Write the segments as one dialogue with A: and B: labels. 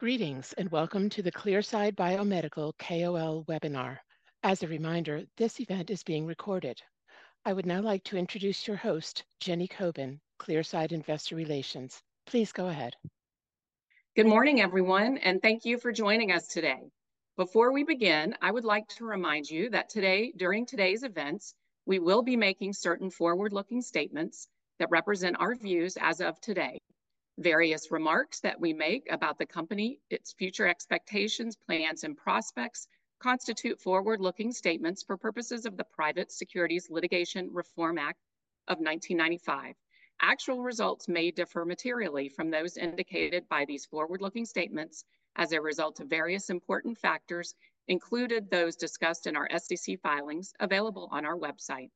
A: Greetings, and welcome to the Clearside Biomedical KOL Webinar. As a reminder, this event is being recorded. I would now like to introduce your host, Jenny Coben, Clearside Investor Relations. Please go ahead.
B: Good morning, everyone, and thank you for joining us today. Before we begin, I would like to remind you that today, during today's events, we will be making certain forward-looking statements that represent our views as of today. Various remarks that we make about the company, its future expectations, plans, and prospects constitute forward-looking statements for purposes of the Private Securities Litigation Reform Act of 1995. Actual results may differ materially from those indicated by these forward-looking statements as a result of various important factors, including those discussed in our SEC filings available on our website.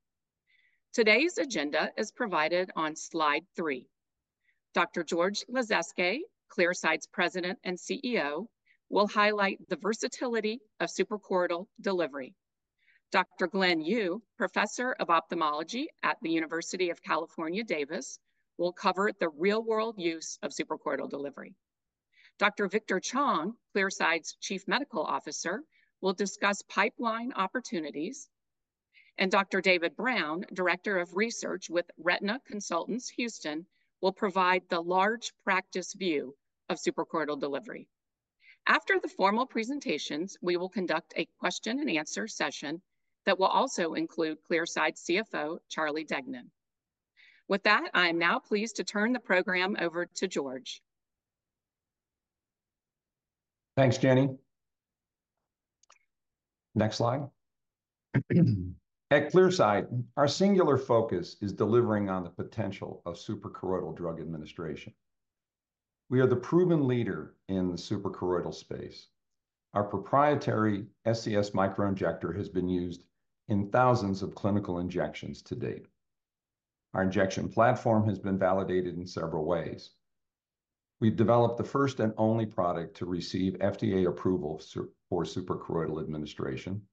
B: Today's agenda is provided on slide 3. Dr. George Lasezkay, Clearside's President and CEO, will highlight the versatility of suprachoroidal delivery. Dr. Glenn Yiu, Professor of Ophthalmology at the University of California, Davis, will cover the real-world use of suprachoroidal delivery. Dr. Victor Chong, Clearside's Chief Medical Officer, will discuss pipeline opportunities. Dr. David Brown, Director of Research with Retina Consultants of Houston, will provide the large practice view of suprachoroidal delivery. After the formal presentations, we will conduct a question-and-answer session that will also include Clearside CFO, Charlie Deignan. With that, I am now pleased to turn the program over to George.
C: Thanks, Jenny. Next slide. At Clearside, our singular focus is delivering on the potential of suprachoroidal drug administration. We are the proven leader in the suprachoroidal space. Our proprietary SCS Microinjector has been used in thousands of clinical injections to date. Our injection platform has been validated in several ways. We've developed the first and only product to receive FDA approval for suprachoroidal administration.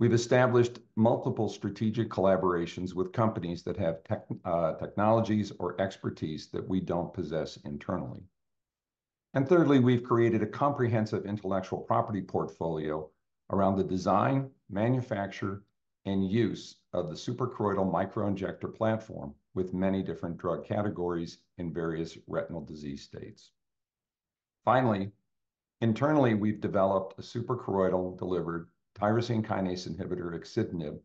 C: We've established multiple strategic collaborations with companies that have tech, technologies or expertise that we don't possess internally. And thirdly, we've created a comprehensive intellectual property portfolio around the design, manufacture, and use of the suprachoroidal Microinjector platform, with many different drug categories in various retinal disease states. Finally, internally, we've developed a suprachoroidal-delivered tyrosine kinase inhibitor, axitinib,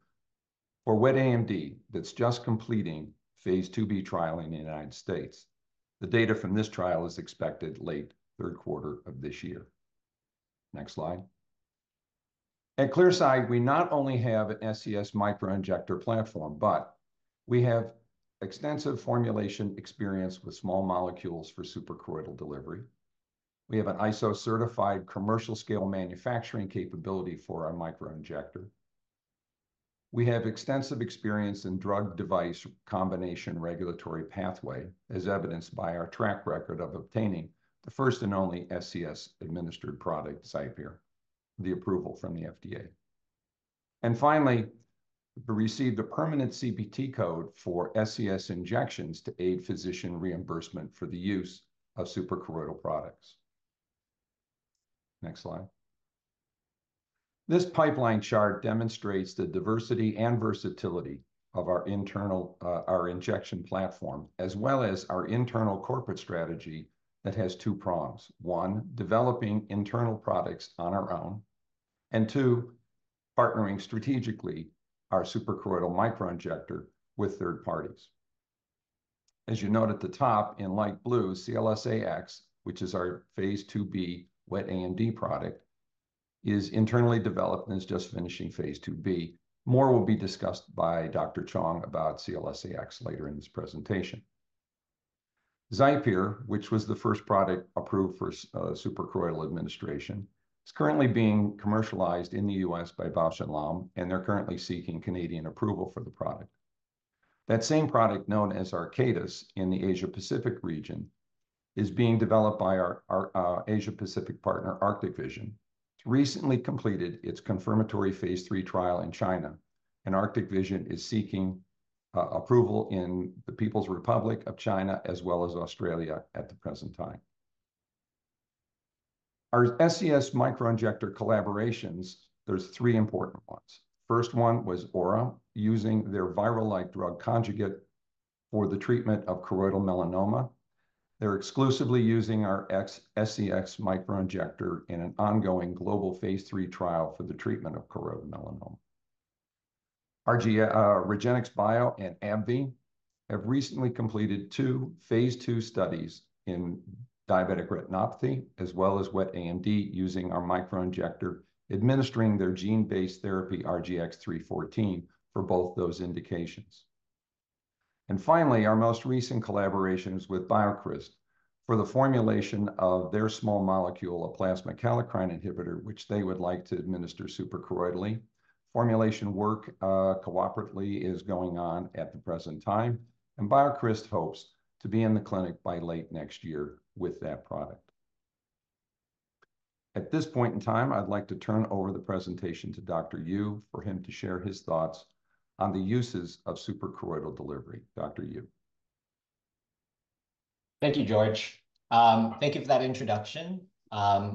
C: for wet AMD, that's just completing phase II-B trial in the United States. The data from this trial is expected late third quarter of this year. Next slide. At Clearside, we not only have an SCS Microinjector platform, but we have extensive formulation experience with small molecules for suprachoroidal delivery. We have an ISO-certified commercial-scale manufacturing capability for our microinjector. We have extensive experience in drug device combination regulatory pathway, as evidenced by our track record of obtaining the first and only SCS-administered product, Xipere, the approval from the FDA. Finally, we received a permanent CPT code for SCS injections to aid physician reimbursement for the use of suprachoroidal products. Next slide. This pipeline chart demonstrates the diversity and versatility of our internal, our injection platform, as well as our internal corporate strategy that has two prongs: one, developing internal products on our own, and two, partnering strategically our suprachoroidal microinjector with third parties. As you note at the top in light blue, CLS-AX, which is our phase II-B wet AMD product, is internally developed and is just finishing phase II-B. More will be discussed by Dr. Chong about CLS-AX later in this presentation. Xipere, which was the first product approved for suprachoroidal administration, is currently being commercialized in the US by Bausch + Lomb, and they're currently seeking Canadian approval for the product. That same product, known as Arcatus in the Asia-Pacific region, is being developed by our Asia-Pacific partner, Arctic Vision. It recently completed its confirmatory phase III trial in China, and Arctic Vision is seeking approval in the People's Republic of China, as well as Australia at the present time. Our SCS Microinjector collaborations, there's three important ones. First one was Aura, using their viral-like drug conjugate for the treatment of choroidal melanoma. They're exclusively using our SCS microinjector in an ongoing global phase III trial for the treatment of choroidal melanoma. REGENXBIO and AbbVie have recently completed two phase II studies in diabetic retinopathy, as well as wet AMD, using our microinjector, administering their gene-based therapy, RGX-314, for both those indications. And finally, our most recent collaboration is with BioCryst for the formulation of their small molecule, a plasma kallikrein inhibitor, which they would like to administer suprachoroidally. Formulation work cooperatively is going on at the present time, and BioCryst hopes to be in the clinic by late next year with that product. At this point in time, I'd like to turn over the presentation to Dr. Yiu for him to share his thoughts on the uses of suprachoroidal delivery. Dr. Yiu?
D: Thank you, George. Thank you for that introduction.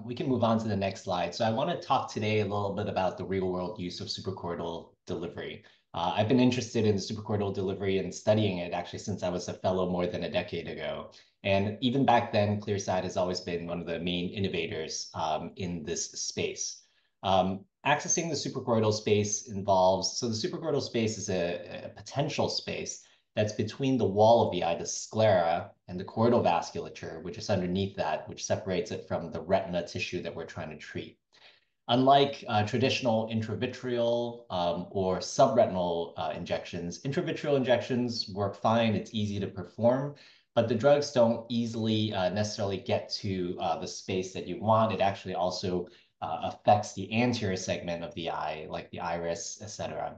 D: We can move on to the next slide. So I want to talk today a little bit about the real-world use of suprachoroidal delivery. I've been interested in suprachoroidal delivery and studying it, actually, since I was a fellow more than a decade ago. And even back then, Clearside has always been one of the main innovators in this space. Accessing the suprachoroidal space, so the suprachoroidal space is a potential space that's between the wall of the eye, the sclera, and the choroidal vasculature, which is underneath that, which separates it from the retina tissue that we're trying to treat. Unlike traditional intravitreal or subretinal injections, intravitreal injections work fine, it's easy to perform, but the drugs don't easily necessarily get to the space that you want. It actually also affects the anterior segment of the eye, like the iris, et cetera.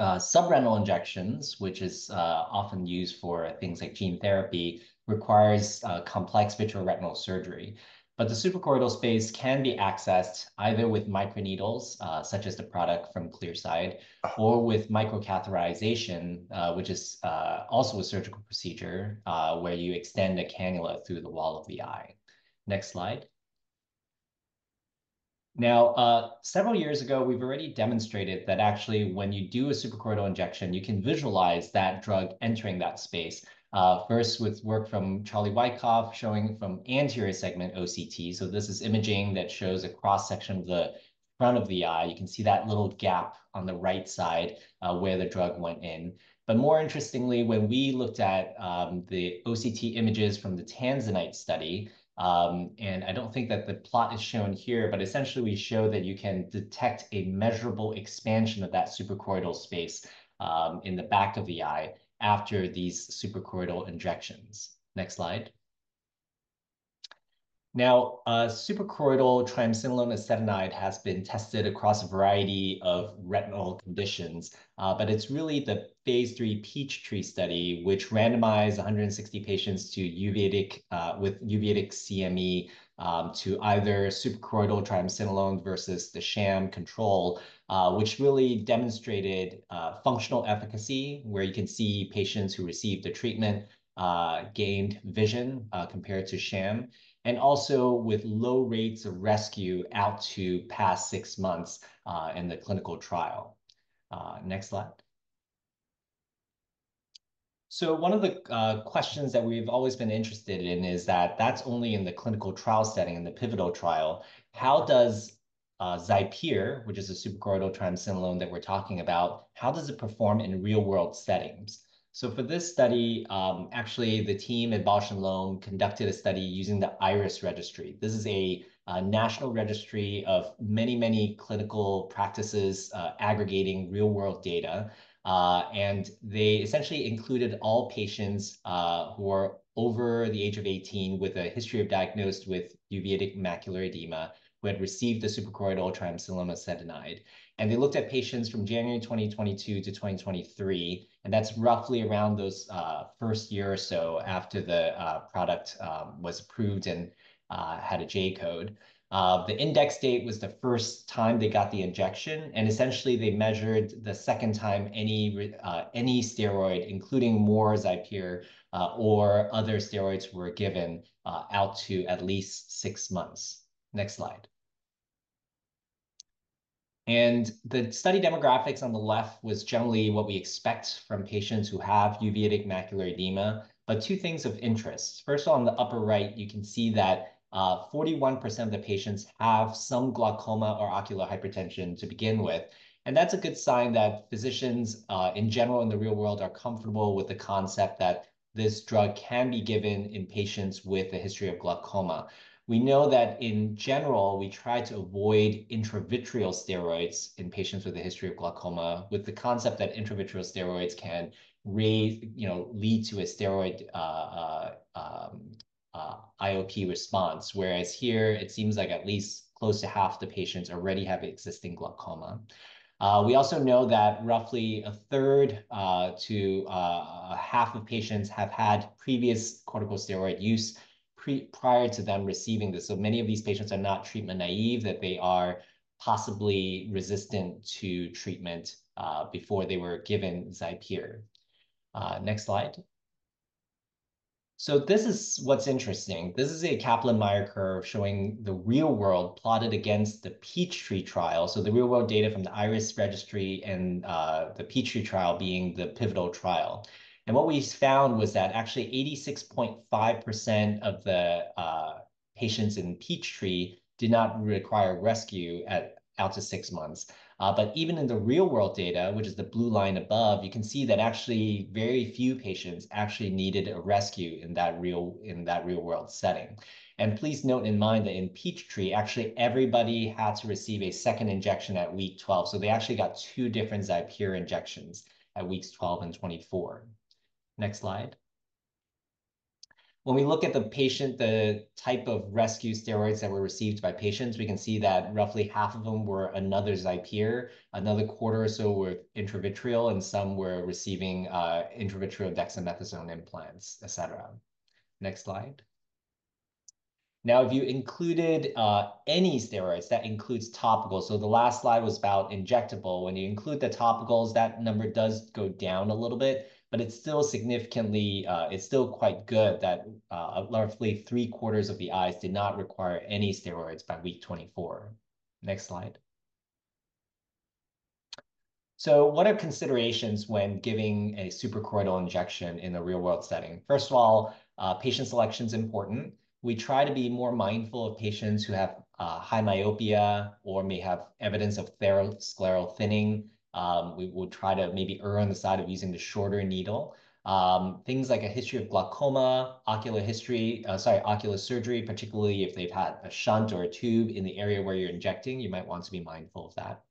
D: Subretinal injections, which is often used for things like gene therapy, requires complex vitreo-retinal surgery. But the suprachoroidal space can be accessed either with microneedles, such as the product from Clearside, or with microcatheterization, which is also a surgical procedure, where you extend a cannula through the wall of the eye. Next slide. Now, several years ago, we've already demonstrated that actually, when you do a suprachoroidal injection, you can visualize that drug entering that space. First, with work from Charlie Wykoff, showing from anterior segment OCT. So this is imaging that shows a cross-section of the front of the eye. You can see that little gap on the right side, where the drug went in. But more interestingly, when we looked at the OCT images from the TANZANITE study, and I don't think that the plot is shown here, but essentially, we show that you can detect a measurable expansion of that suprachoroidal space in the back of the eye after these suprachoroidal injections. Next slide. Now, suprachoroidal triamcinolone acetonide has been tested across a variety of retinal conditions, but it's really the phase III PEACHTREE study, which randomized 160 patients to uveitic with uveitic CME to either suprachoroidal triamcinolone versus the sham control, which really demonstrated functional efficacy, where you can see patients who received the treatment gained vision compared to sham, and also with low rates of rescue out to past 6 months in the clinical trial. Next slide. So one of the questions that we've always been interested in is that that's only in the clinical trial setting, in the pivotal trial. How does Xipere, which is a suprachoroidal triamcinolone that we're talking about, how does it perform in real-world settings? So for this study, actually, the team at Bausch and Lomb conducted a study using the IRIS Registry. This is a national registry of many, many clinical practices, aggregating real-world data. And they essentially included all patients who were over the age of 18 with a history of diagnosed with uveitic macular edema, who had received the suprachoroidal triamcinolone acetonide. And they looked at patients from January 2022 to 2023, and that's roughly around those first year or so after the product was approved and had a J-code. The index date was the first time they got the injection, and essentially, they measured the second time any steroid, including more Xipere, or other steroids were given, out to at least six months. Next slide. The study demographics on the left was generally what we expect from patients who have uveitic macular edema, but two things of interest. First of all, on the upper right, you can see that, 41% of the patients have some glaucoma or ocular hypertension to begin with, and that's a good sign that physicians, in general, in the real world, are comfortable with the concept that this drug can be given in patients with a history of glaucoma. We know that in general, we try to avoid intravitreal steroids in patients with a history of glaucoma, with the concept that intravitreal steroids can you know, lead to a steroid IOP response. Whereas here, it seems like at least close to half the patients already have existing glaucoma. We also know that roughly a third to a half of patients have had previous corticosteroid use prior to them receiving this. So many of these patients are not treatment naive, that they are possibly resistant to treatment before they were given Xipere. Next slide. So this is what's interesting. This is a Kaplan-Meier curve showing the real world plotted against the PEACHTREE trial, so the real world data from the IRIS Registry and the PEACHTREE trial being the pivotal trial. What we found was that actually 86.5% of the patients in PEACHTREE did not require rescue out to six months. But even in the real-world data, which is the blue line above, you can see that actually very few patients actually needed a rescue in that real-world setting. Please note in mind that in PEACHTREE, actually, everybody had to receive a second injection at week 12, so they actually got two different Xipere injections at weeks 12 and 24. Next slide. When we look at the patient, the type of rescue steroids that were received by patients, we can see that roughly half of them were another Xipere, another quarter or so were intravitreal, and some were receiving intravitreal dexamethasone implants, et cetera. Next slide. Now, if you included any steroids, that includes topicals. The last slide was about injectable. When you include the topicals, that number does go down a little bit, but it's still significantly, it's still quite good that largely three quarters of the eyes did not require any steroids by week 24. Next slide. So what are considerations when giving a suprachoroidal injection in the real-world setting? First of all, patient selection is important. We try to be more mindful of patients who have high myopia or may have evidence of scleral thinning. We will try to maybe err on the side of using the shorter needle. Things like a history of glaucoma, ocular history, sorry, ocular surgery, particularly if they've had a shunt or a tube in the area where you're injecting, you might want to be mindful of that.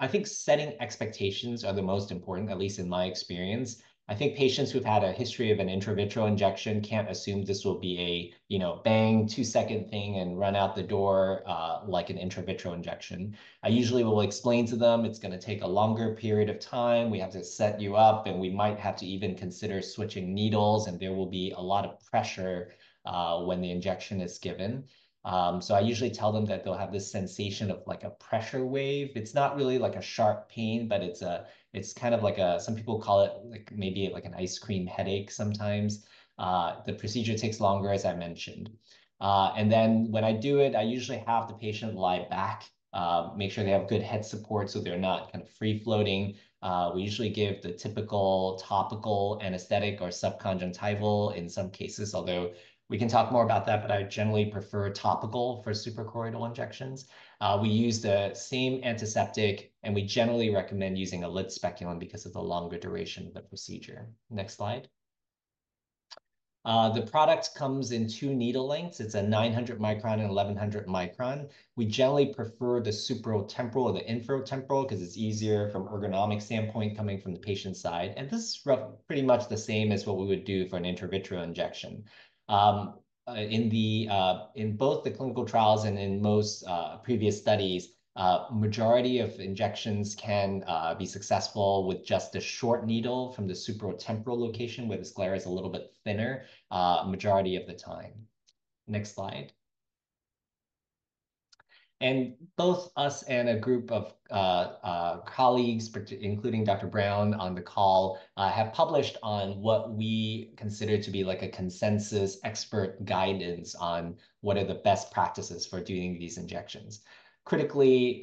D: I think, setting expectations are the most important, at least in my experience. I think patients who've had a history of an intravitreal injection can't assume this will be a, you know, bang, two-second thing and run out the door, like an intravitreal injection. I usually will explain to them, it's gonna take a longer period of time. We have to set you up, and we might have to even consider switching needles, and there will be a lot of pressure, when the injection is given. So I usually tell them that they'll have this sensation of, like, a pressure wave. It's not really like a sharp pain, but it's a, it's kind of like a, some people call it, like, maybe like an ice cream headache sometimes. The procedure takes longer, as I mentioned. Then when I do it, I usually have the patient lie back, make sure they have good head support so they're not kind of free floating. We usually give the typical topical anesthetic or subconjunctival in some cases, although we can talk more about that, but I generally prefer topical for suprachoroidal injections. We use the same antiseptic, and we generally recommend using a lid speculum because of the longer duration of the procedure. Next slide. The product comes in two needle lengths. It's a 900-micron and 1100-micron. We generally prefer the superotemporal or the inferotemporal because it's easier from ergonomic standpoint, coming from the patient side, and this is rough, pretty much the same as what we would do for an intravitreal injection. In both the clinical trials and in most previous studies, majority of injections can be successful with just a short needle from the superotemporal location, where the sclera is a little bit thinner, majority of the time. Next slide. Both us and a group of colleagues, including Dr. Brown on the call, have published on what we consider to be like a consensus expert guidance on what are the best practices for doing these injections. Critically,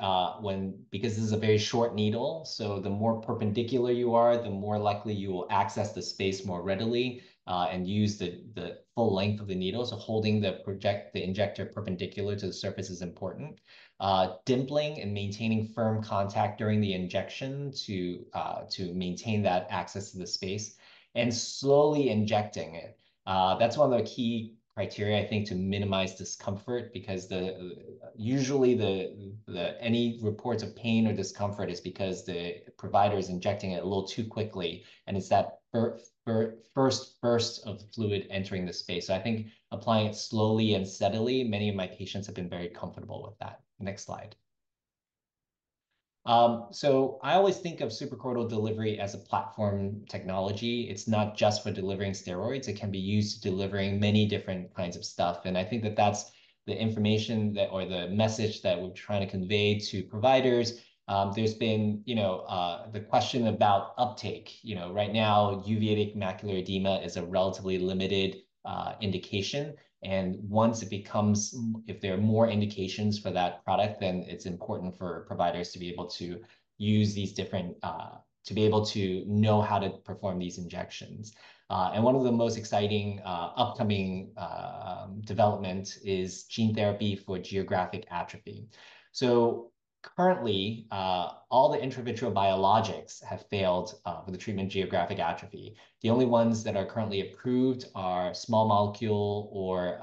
D: because this is a very short needle, so the more perpendicular you are, the more likely you will access the space more readily, and use the full length of the needle. So holding the injector perpendicular to the surface is important. Dimpling and maintaining firm contact during the injection to maintain that access to the space and slowly injecting it. That's one of the key criteria, I think, to minimize discomfort because usually any reports of pain or discomfort is because the provider is injecting it a little too quickly, and it's that first burst of the fluid entering the space. So I think applying it slowly and steadily, many of my patients have been very comfortable with that. Next slide. So I always think of suprachoroidal delivery as a platform technology. It's not just for delivering steroids. It can be used to delivering many different kinds of stuff, and I think that that's the information that... or the message that we're trying to convey to providers. There's been, you know, the question about uptake. You know, right now, uveitic macular edema is a relatively limited indication, and once it becomes—if there are more indications for that product, then it's important for providers to be able to use these different, to be able to know how to perform these injections. And one of the most exciting upcoming development is gene therapy for geographic atrophy. So currently, all the intravitreal biologics have failed with the treatment geographic atrophy. The only ones that are currently approved are small molecule or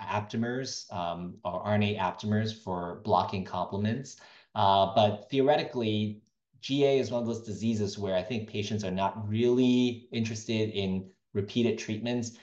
D: aptamers or RNA aptamers for blocking complements. But theoretically, GA is one of those diseases where I think patients are not really interested in repeated treatments.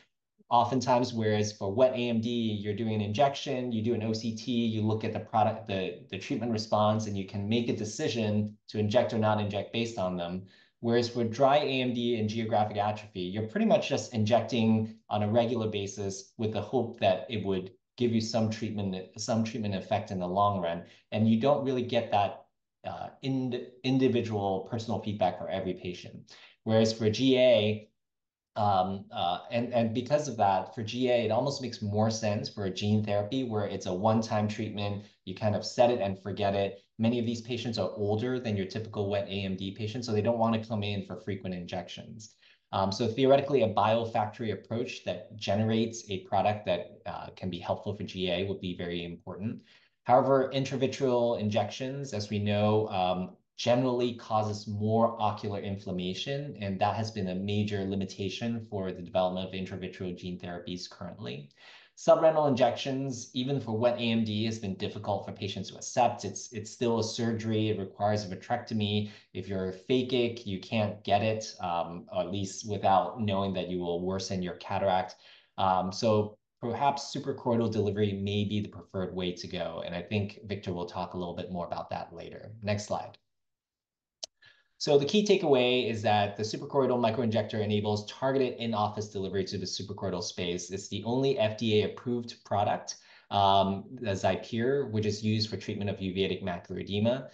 D: Oftentimes, whereas for wet AMD, you're doing an injection, you do an OCT, you look at the product, the treatment response, and you can make a decision to inject or not inject based on them. Whereas for dry AMD and geographic atrophy, you're pretty much just injecting on a regular basis with the hope that it would give you some treatment, some treatment effect in the long run, and you don't really get that individual personal feedback for every patient. Whereas for GA, because of that, for GA, it almost makes more sense for a gene therapy where it's a one-time treatment, you kind of set it and forget it. Many of these patients are older than your typical wet AMD patient, so they don't want to come in for frequent injections. So theoretically, a biofactory approach that generates a product that can be helpful for GA would be very important. However, intravitreal injections, as we know, generally causes more ocular inflammation, and that has been a major limitation for the development of intravitreal gene therapies currently. Subretinal injections, even for wet AMD, has been difficult for patients to accept. It's, it's still a surgery. It requires a vitrectomy. If you're aphakic, you can't get it, at least without knowing that you will worsen your cataracts. So perhaps suprachoroidal delivery may be the preferred way to go, and I think Victor will talk a little bit more about that later. Next slide. So the key takeaway is that the suprachoroidal microinjector enables targeted in-office delivery to the suprachoroidal space. It's the only FDA-approved product, the Xipere, which is used for treatment of uveitic macular edema.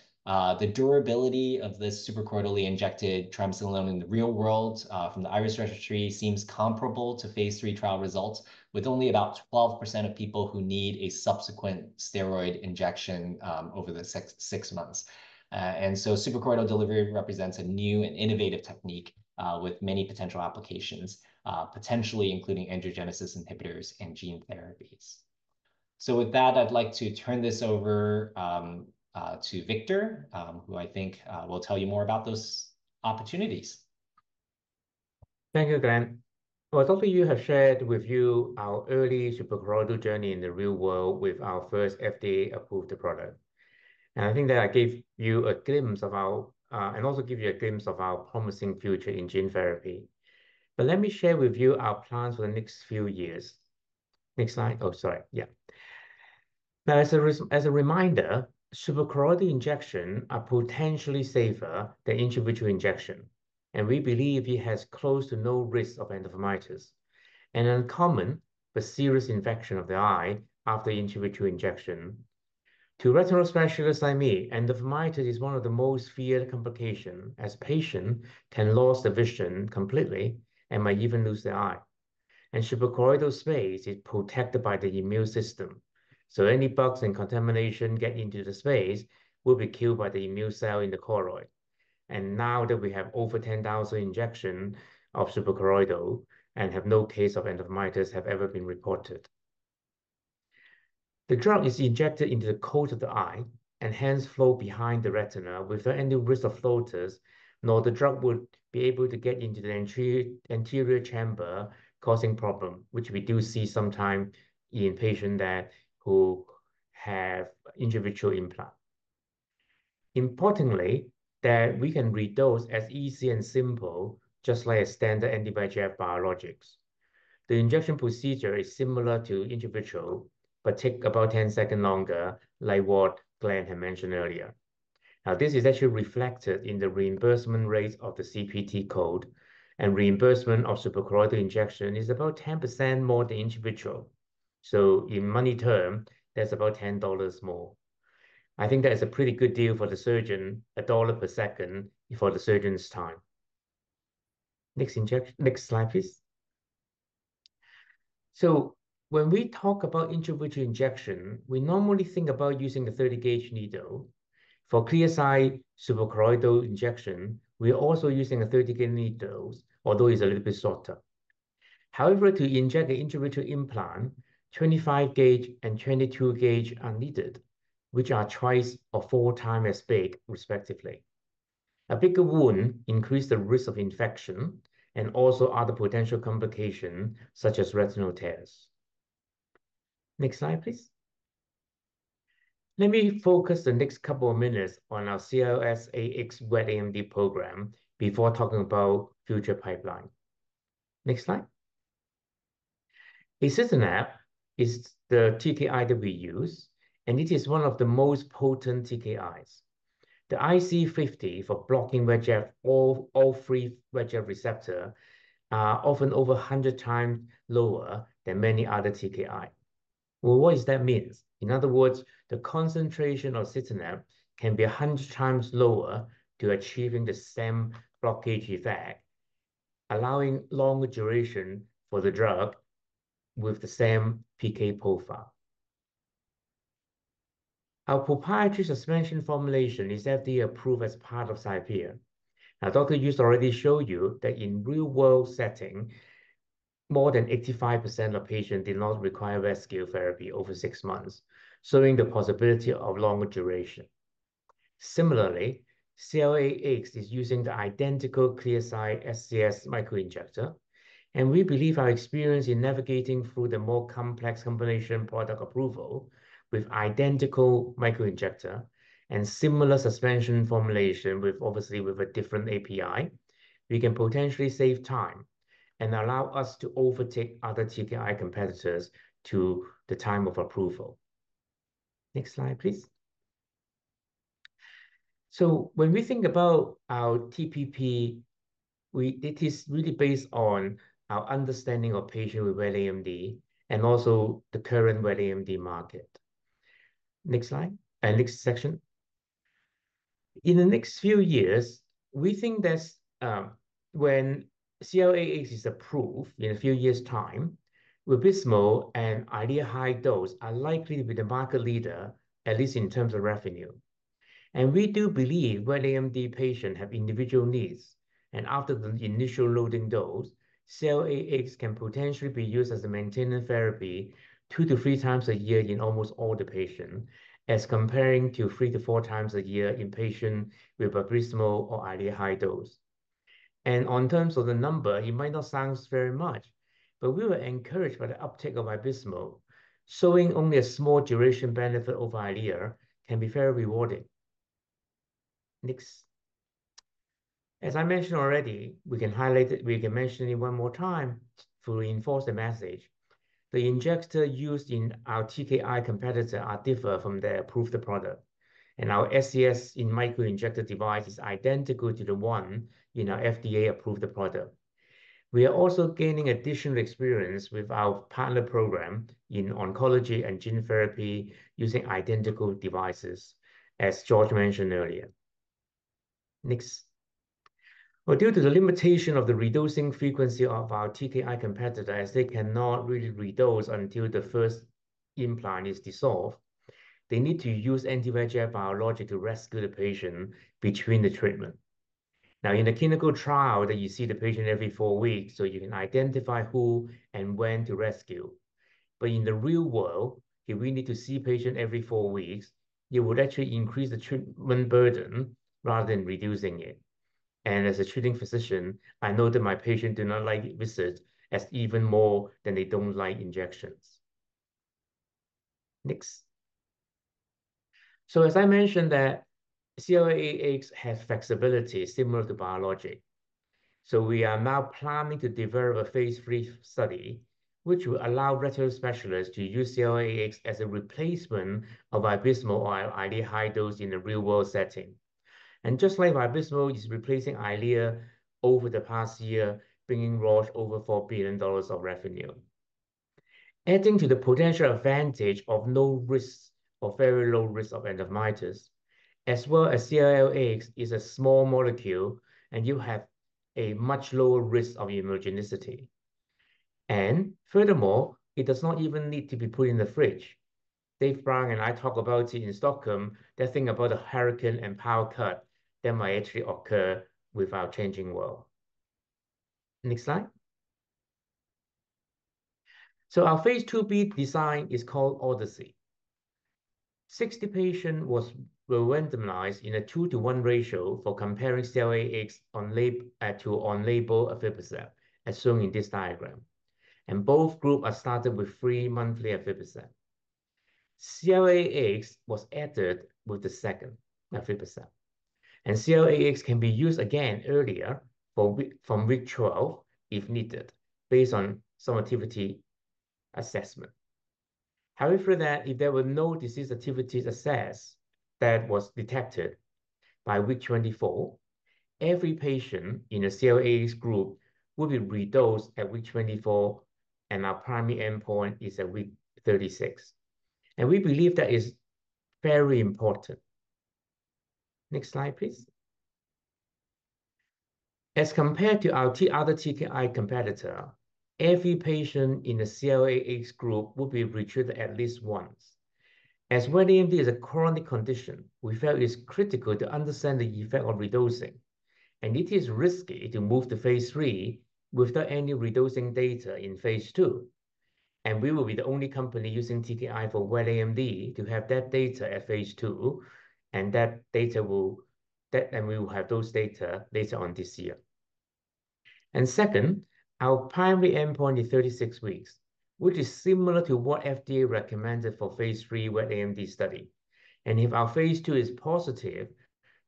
D: The durability of this suprachoroidally injected triamcinolone in the real world, from the IRIS Registry seems comparable to phase III trial results, with only about 12% of people who need a subsequent steroid injection over the six months. And so suprachoroidal delivery represents a new and innovative technique, with many potential applications, potentially including angiogenesis inhibitors and gene therapies. So with that, I'd like to turn this over to Victor, who I think will tell you more about those opportunities.
E: Thank you, Glenn. Well, as Dr. Yiu have shared with you, our early suprachoroidal journey in the real world with our first FDA-approved product. And I think that I gave you a glimpse of our, and also give you a glimpse of our promising future in gene therapy. But let me share with you our plans for the next few years. Next slide. Oh, sorry. Yeah. Now, as a reminder, suprachoroidal injection are potentially safer than intravitreal injection, and we believe it has close to no risk of endophthalmitis, an uncommon but serious infection of the eye after intravitreal injection. To retinal specialists like me, endophthalmitis is one of the most feared complication, as patient can lose their vision completely and might even lose their eye. Suprachoroidal space is protected by the immune system, so any bugs and contamination get into the space will be killed by the immune cell in the choroid. Now that we have over 10,000 injections of suprachoroidal and have no case of endophthalmitis have ever been reported. The drug is injected into the coat of the eye, and hence flow behind the retina without any risk of floaters, nor the drug would be able to get into the anterior, anterior chamber, causing problem, which we do see sometimes in patient that, who have intravitreal implant. Importantly, that we can re-dose as easy and simple, just like a standard anti-VEGF biologics. The injection procedure is similar to intravitreal, but take about 10 second longer, like what Glenn had mentioned earlier. Now, this is actually reflected in the reimbursement rate of the CPT code, and reimbursement of suprachoroidal injection is about 10% more than intravitreal. So in money term, that's about $10 more. I think that is a pretty good deal for the surgeon, $1 per second for the surgeon's time. Next slide, please. So when we talk about intravitreal injection, we normally think about using a 30-gauge needle. For Clearside suprachoroidal injection, we're also using a 30-gauge needle, although it's a little bit shorter. However, to inject the intravitreal implant, 25-gauge and 22-gauge are needed, which are twice or four times as big, respectively. A bigger wound increase the risk of infection and also other potential complication, such as retinal tears. Next slide, please. Let me focus the next couple of minutes on our CLS-AX wet AMD program before talking about future pipeline. Next slide. Axitinib is the TKI that we use, and it is one of the most potent TKIs. The IC50 for blocking VEGF-A, all three VEGF receptors are often over 100 times lower than many other TKI. Well, what is that means? In other words, the concentration of axitinib can be 100 times lower to achieving the same blockage effect, allowing longer duration for the drug with the same PK profile. Our proprietary suspension formulation is FDA-approved as part of Xipere. Now, Dr. Yiu has already showed you that in real-world setting, more than 85% of patients did not require rescue therapy over six months, showing the possibility of longer duration. Similarly, CLS-AX is using the identical Clearside SCS Microinjector, and we believe our experience in navigating through the more complex combination product approval with identical microinjector and similar suspension formulation with, obviously, with a different API, we can potentially save time and allow us to overtake other TKI competitors to the time of approval. Next slide, please. So when we think about our TPP, it is really based on our understanding of patient with wet AMD and also the current wet AMD market. Next slide, and next section. In the next few years, we think that, when CLS-AX is approved in a few years' time, Vabysmo and Eylea HD are likely to be the market leader, at least in terms of revenue. And we do believe wet AMD patients have individual needs, and after the initial loading dose, CLS-AX can potentially be used as a maintenance therapy two to three times a year in almost all the patients, as comparing to three-four times a year in patients with Vabysmo or Eylea HD. And on terms of the number, it might not sounds very much, but we were encouraged by the uptake of Vabysmo, showing only a small duration benefit over Eylea can be very rewarding. Next. As I mentioned already, we can mention it one more time to reinforce the message... the injector used in our TKI competitor are differ from the approved product, and our SCS Microinjector device is identical to the one in our FDA-approved product. We are also gaining additional experience with our partner program in oncology and gene therapy using identical devices, as George mentioned earlier. Next. Well, due to the limitation of the redosing frequency of our TKI competitor, as they cannot really re-dose until the first implant is dissolved, they need to use anti-VEGF biologic to rescue the patient between the treatment. Now, in the clinical trial that you see the patient every four weeks, so you can identify who and when to rescue. But in the real world, if we need to see patient every four weeks, it would actually increase the treatment burden rather than reducing it. And as a treating physician, I know that my patient do not like visits as even more than they don't like injections. Next. So as I mentioned that CLS-AX has flexibility similar to biologic, so we are now planning to develop a phase III study, which will allow retinal specialists to use CLS-AX as a replacement of Vabysmo or Eylea HD in the real-world setting. And just like Vabysmo is replacing Eylea over the past year, bringing Roche over $4 billion of revenue. Adding to the potential advantage of low risk or very low risk of endophthalmitis, as well as CLS-AX is a small molecule, and you have a much lower risk of immunogenicity. And furthermore, it does not even need to be put in the fridge. David Brown and I talk about it in Stockholm, just think about a hurricane and power cut that might actually occur with our changing world. Next slide. So our phase II-B design is called ODYSSEY. 60 patients were randomized in a 2-to-1 ratio for comparing CLS-AX monotherapy to on-label aflibercept, as shown in this diagram. Both groups were started with three monthly aflibercept. CLS-AX was added with the second aflibercept, and CLS-AX can be used again earlier from week 12 if needed, based on some activity assessment. However, that if there were no disease activities assessed that was detected by week 24, every patient in the CLS-AX group will be re-dosed at week 24, and our primary endpoint is at week 36, and we believe that is very important. Next slide, please. As compared to our other TKI competitor, every patient in the CLS-AX group will be retreated at least once. As wet AMD is a chronic condition, we feel it is critical to understand the effect of redosing, and it is risky to move to phase III without any redosing data in phase II. And we will be the only company using TKI for wet AMD to have that data at phase II, and that data will... That, and we will have those data later on this year. And second, our primary endpoint is 36 weeks, which is similar to what FDA recommended for phase III wet AMD study. And if our phase II is positive,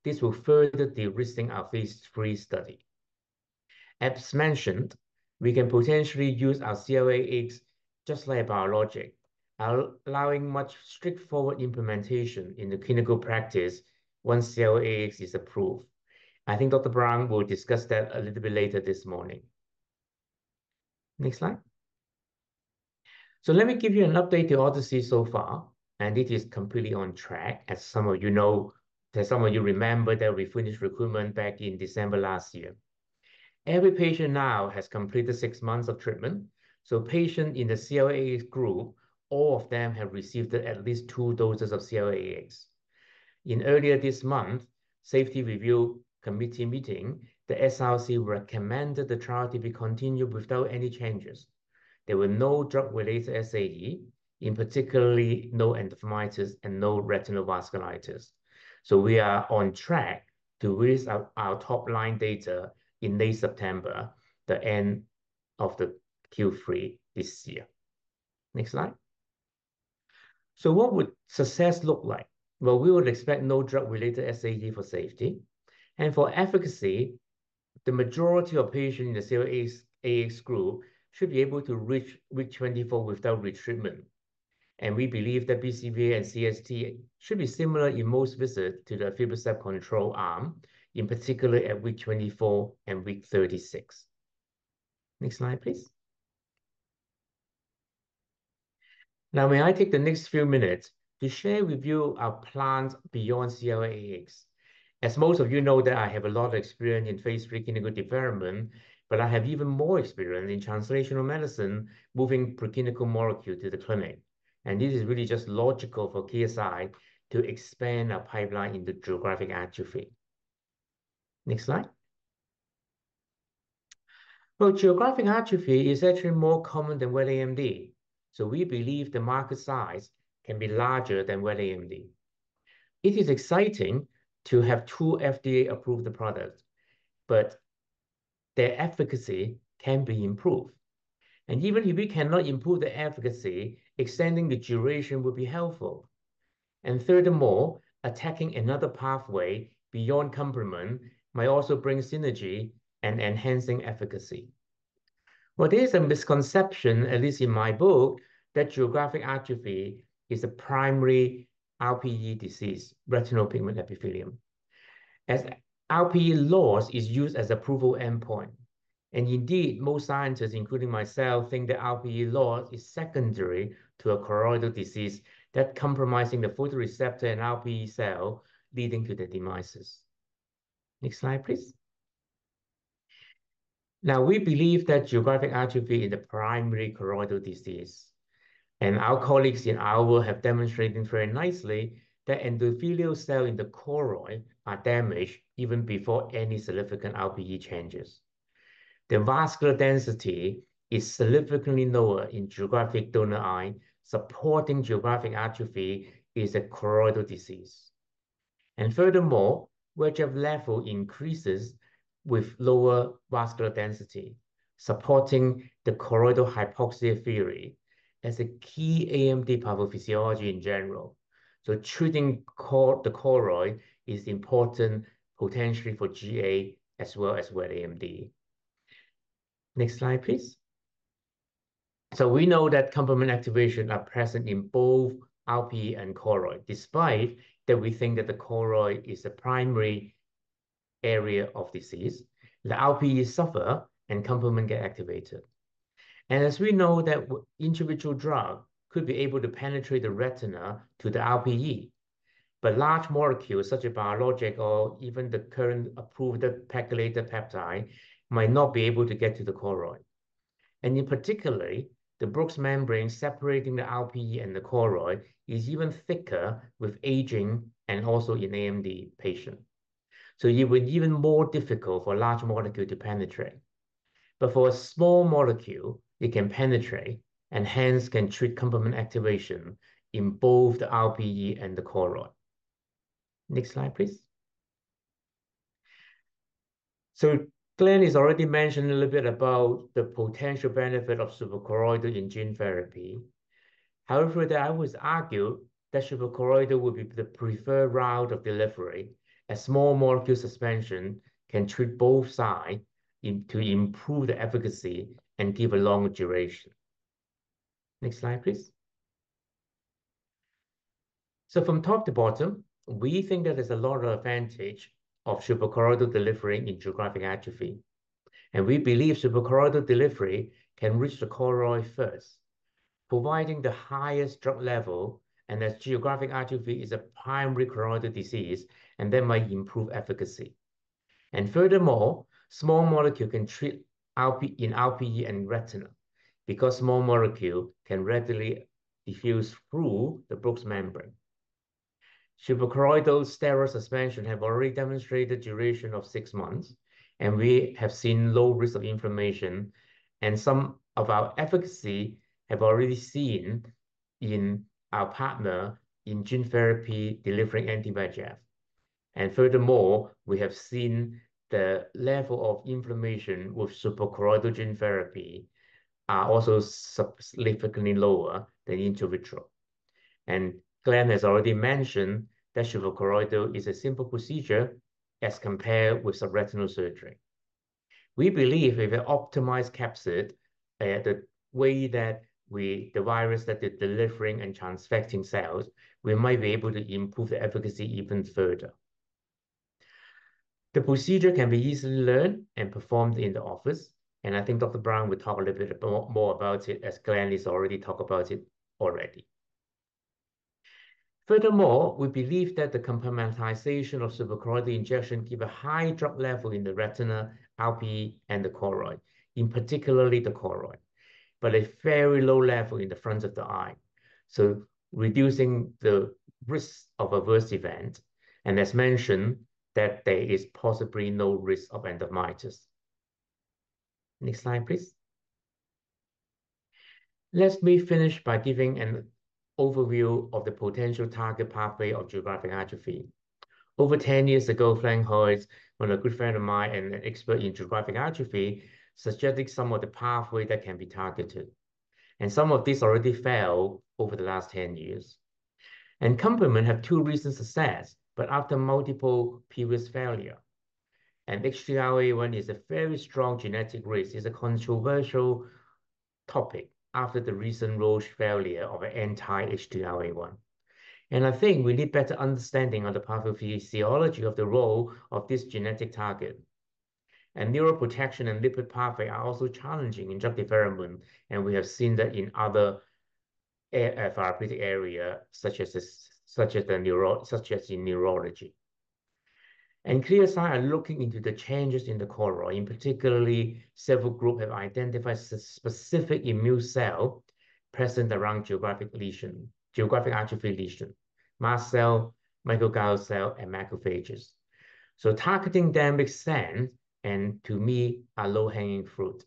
E: this will further de-risking our phase III study. As mentioned, we can potentially use our CLS-AX just like biologic, allowing much straightforward implementation in the clinical practice once CLS-AX is approved. I think Dr. Brown will discuss that a little bit later this morning. Next slide. So let me give you an update to ODYSSEY so far, and it is completely on track. As some of you know, there's some of you remember that we finished recruitment back in December last year. Every patient now has completed six months of treatment, so patient in the CLS-AX group, all of them have received at least two doses of CLS-AX. In early this month, Safety Review Committee meeting, the SRC recommended the trial to be continued without any changes. There were no drug-related SAE, in particular, no endophthalmitis and no retinal vasculitis. So we are on track to release our, our top-line data in late September, the end of the Q3 this year. Next slide. So what would success look like? Well, we would expect no drug-related SAE for safety. For efficacy, the majority of patients in the CLS-AX group should be able to reach week 24 without retreatment. We believe that BCVA and CST should be similar in most visits to the aflibercept control arm, in particular at week 24 and week 36. Next slide, please. Now, may I take the next few minutes to share with you our plans beyond CLS-AX? As most of you know, that I have a lot of experience in phase III clinical development, but I have even more experience in translational medicine, moving preclinical molecule to the clinic. And this is really just logical for Clearside to expand our pipeline into geographic atrophy. Next slide. Well, geographic atrophy is actually more common than wet AMD, so we believe the market size can be larger than wet AMD. It is exciting to have two FDA-approved product, but their efficacy can be improved. And even if we cannot improve the efficacy, extending the duration will be helpful... and furthermore, attacking another pathway beyond complement might also bring synergy and enhancing efficacy. Well, there is a misconception, at least in my book, that geographic atrophy is a primary RPE disease, retinal pigment epithelium, as RPE loss is used as approval endpoint. And indeed, most scientists, including myself, think that RPE loss is secondary to a choroidal disease that compromising the photoreceptor and RPE cell, leading to the demises. Next slide, please. Now, we believe that geographic atrophy is a primary choroidal disease, and our colleagues in Iowa have demonstrated very nicely that endothelial cell in the choroid are damaged even before any significant RPE changes. The vascular density is significantly lower in geographic donor eye, supporting geographic atrophy is a choroidal disease. Furthermore, VEGF level increases with lower vascular density, supporting the choroidal hypoxia theory as a key AMD pathophysiology in general. So treating the choroid is important, potentially for GA as well as wet AMD. Next slide, please. We know that complement activation are present in both RPE and choroid. Despite that we think that the choroid is the primary area of disease, the RPE suffer and complement get activated. As we know that intravitreal drug could be able to penetrate the retina to the RPE, but large molecules, such as biologic or even the current approved pegylated peptide, might not be able to get to the choroid. In particular, the Bruch's membrane separating the RPE and the choroid is even thicker with aging and also in AMD patient. So it would be even more difficult for large molecule to penetrate. But for a small molecule, it can penetrate and hence can treat complement activation in both the RPE and the choroid. Next slide, please. So Glenn has already mentioned a little bit about the potential benefit of suprachoroidal in gene therapy. However, I would argue that suprachoroidal would be the preferred route of delivery, as small molecule suspension can treat both sides in- to improve the efficacy and give a longer duration. Next slide, please. So from top to bottom, we think that there's a lot of advantage of suprachoroidal delivery in geographic atrophy, and we believe suprachoroidal delivery can reach the choroid first, providing the highest drug level, and as geographic atrophy is a primary choroidal disease, and that might improve efficacy. And furthermore, small molecule can treat RPE- in RPE and retina, because small molecule can readily diffuse through the Bruch's membrane. Suprachoroidal steroid suspension have already demonstrated duration of six months, and we have seen low risk of inflammation, and some of our efficacy have already seen in our partner in gene therapy delivering anti-VEGF. And furthermore, we have seen the level of inflammation with suprachoroidal gene therapy are also substantially lower than intravitreal. And Glenn has already mentioned that suprachoroidal is a simple procedure as compared with subretinal surgery. We believe with an optimized capsid, the way that we... the virus that is delivering and transfecting cells, we might be able to improve the efficacy even further. The procedure can be easily learned and performed in the office, and I think Dr. Brown will talk a little bit, more about it, as Glenn has already talked about it already. Furthermore, we believe that the complementation of suprachoroidal injection gives a high drug level in the retina, RPE, and the choroid, in particular the choroid, but a very low level in the front of the eye, so reducing the risk of adverse event, and as mentioned, that there is possibly no risk of endophthalmitis. Next slide, please. Let me finish by giving an overview of the potential target pathway of geographic atrophy. Over 10 years ago, Frank Holz, a good friend of mine and an expert in geographic atrophy, suggested some of the pathway that can be targeted, and some of these already failed over the last 10 years. Complement has two recent successes, but after multiple previous failures. HTRA1 is a very strong genetic risk, is a controversial topic after the recent Roche failure of an anti-HTRA1. I think we need better understanding of the pathophysiology of the role of this genetic target. Neuroprotection and lipid pathway are also challenging in drug development, and we have seen that in other ophthalmic area, such as in neurology. Clearside are looking into the changes in the choroid, in particular, several groups have identified specific immune cells present around geographic atrophy lesions, mast cells, microglial cells, and macrophages. So targeting them makes sense, and to me, a low-hanging fruit.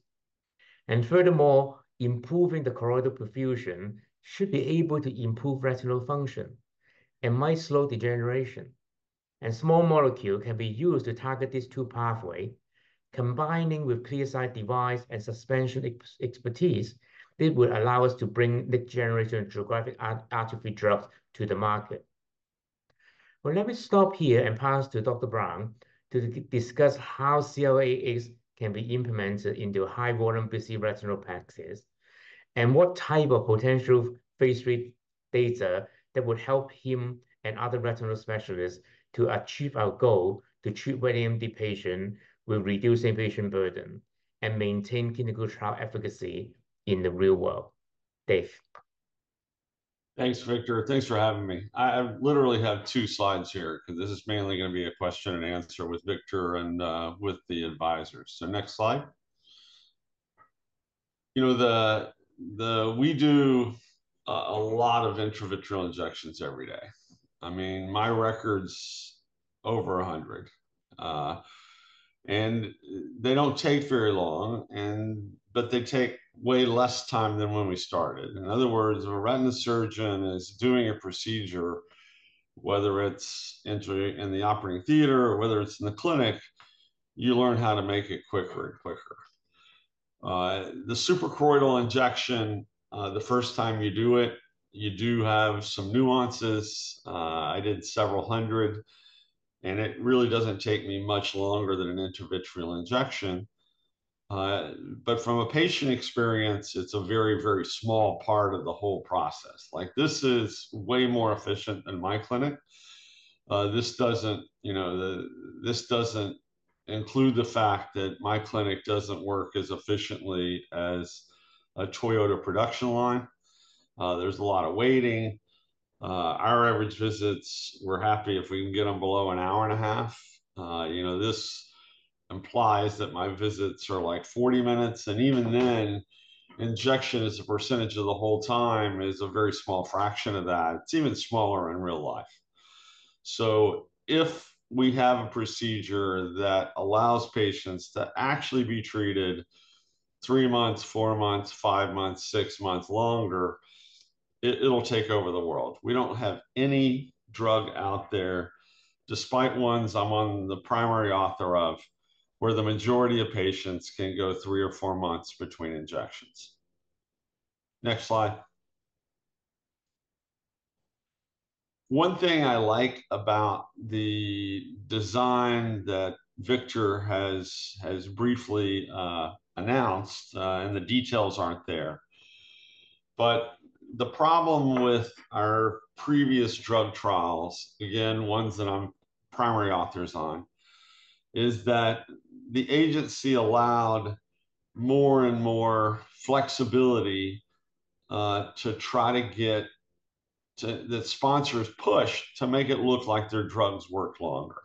E: Furthermore, improving the choroidal perfusion should be able to improve retinal function and might slow degeneration, and small molecules can be used to target these two pathways. Combining with Clearside device and suspension expertise, it would allow us to bring next-generation geographic atrophy drugs to the market. Well, let me stop here and pass to Dr. Brown to discuss how CLS-AX can be implemented into high volume busy retinal practices, and what type of potential phase III data that would help him and other retinal specialists to achieve our goal to treat wet AMD patient, will reduce patient burden, and maintain clinical trial efficacy in the real world. Dave?
F: Thanks, Victor. Thanks for having me. I literally have two slides here, because this is mainly gonna be a question and answer with Victor and with the advisors. So next slide. You know, we do a lot of intravitreal injections every day. I mean, my record's over 100. And they don't take very long, and but they take way less time than when we started. In other words, if a retina surgeon is doing a procedure, whether it's entering in the operating theater or whether it's in the clinic, you learn how to make it quicker and quicker. The suprachoroidal injection, the first time you do it, you do have some nuances. I did several hundred, and it really doesn't take me much longer than an intravitreal injection. But from a patient experience, it's a very, very small part of the whole process. Like, this is way more efficient than my clinic. This doesn't, you know, this doesn't include the fact that my clinic doesn't work as efficiently as a Toyota production line. There's a lot of waiting. Our average visits, we're happy if we can get them below an hour and a half. You know, this implies that my visits are, like, 40 minutes, and even then, injection as a percentage of the whole time is a very small fraction of that. It's even smaller in real life. So if we have a procedure that allows patients to actually be treated three months, four months, five months, six months longer, it'll take over the world. We don't have any drug out there, despite ones I'm on the primary author of, where the majority of patients can go three or four months between injections. Next slide. One thing I like about the design that Victor has briefly announced, and the details aren't there, but the problem with our previous drug trials, again, ones that I'm primary authors on, is that the agency allowed more and more flexibility to try to get to... The sponsors pushed to make it look like their drugs worked longer.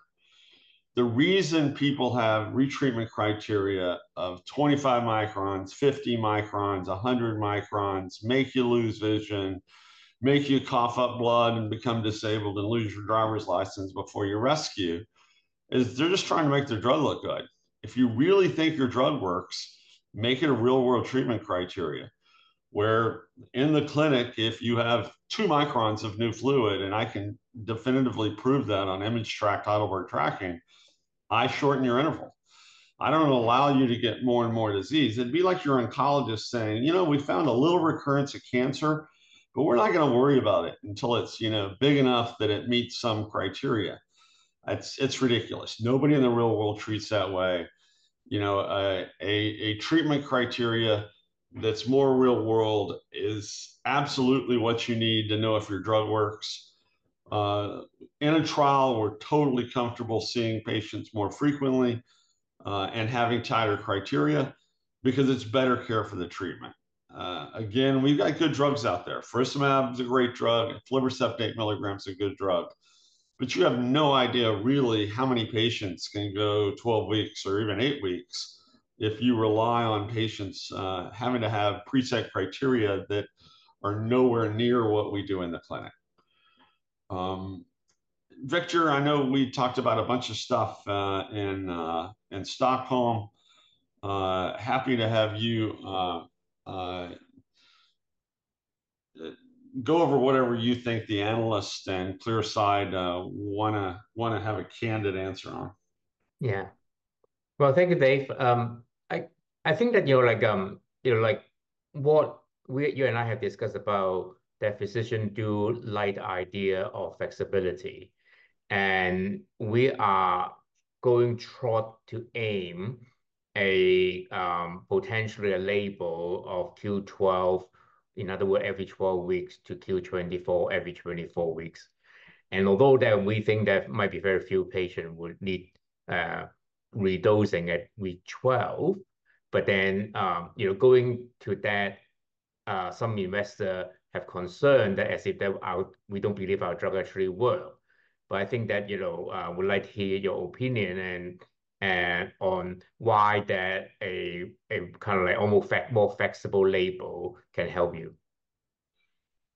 F: The reason people have retreatment criteria of 25 microns, 50 microns, 100 microns, make you lose vision, make you cough up blood and become disabled and lose your driver's license before you're rescued, is they're just trying to make their drug look good. If you really think your drug works, make it a real-world treatment criteria, where in the clinic, if you have two microns of new fluid, and I can definitively prove that on image track title board tracking, I shorten your interval. I don't allow you to get more and more disease. It'd be like your oncologist saying, "You know, we found a little recurrence of cancer, but we're not going to worry about it until it's, you know, big enough that it meets some criteria." It's ridiculous. Nobody in the real world treats that way. You know, a treatment criteria that's more real-world is absolutely what you need to know if your drug works. In a trial, we're totally comfortable seeing patients more frequently and having tighter criteria because it's better care for the treatment. Again, we've got good drugs out there. Faricimab is a great drug, and aflibercept. 8 milligram is a good drug, but you have no idea really how many patients can go 12 weeks or even 8 weeks if you rely on patients having to have preset criteria that are nowhere near what we do in the clinic. Victor, I know we talked about a bunch of stuff in Stockholm. Happy to have you go over whatever you think the analysts and Clearside wanna have a candid answer on.
E: Yeah. Well, thank you, Dave. I think that, you know, like, you know, like, what you and I have discussed about that physicians do like the idea of flexibility, and we are going to try to aim for, potentially a label of Q12, in other words, every 12 weeks to Q24, every 24 weeks. And although that we think that might be very few patients would need, redosing at week 12, but then, you know, going to that, some investors have concern that as if that we don't believe our drug actually work. But I think that, you know, would like to hear your opinion, and, and on why that a, a kind of like almost far more flexible label can help you.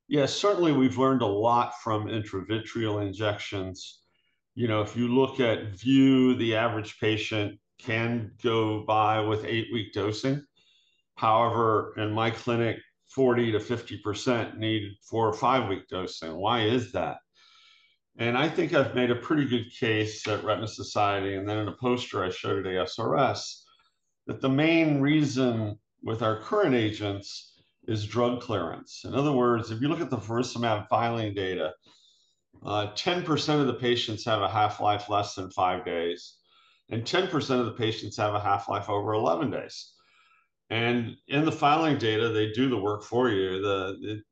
F: Yeah, certainly we've learned a lot from intravitreal injections. You know, if you look at Eylea, the average patient can go by with 8-week dosing. However, in my clinic, 40%-50% need 4- or 5-week dosing. Why is that? And I think I've made a pretty good case at Retina Society, and then in a poster I showed at ASRS, that the main reason with our current agents is drug clearance. In other words, if you look at the faricimab filing data, 10% of the patients have a half-life less than five days, and 10% of the patients have a half-life over 11 days. In the filing data, they do the work for you.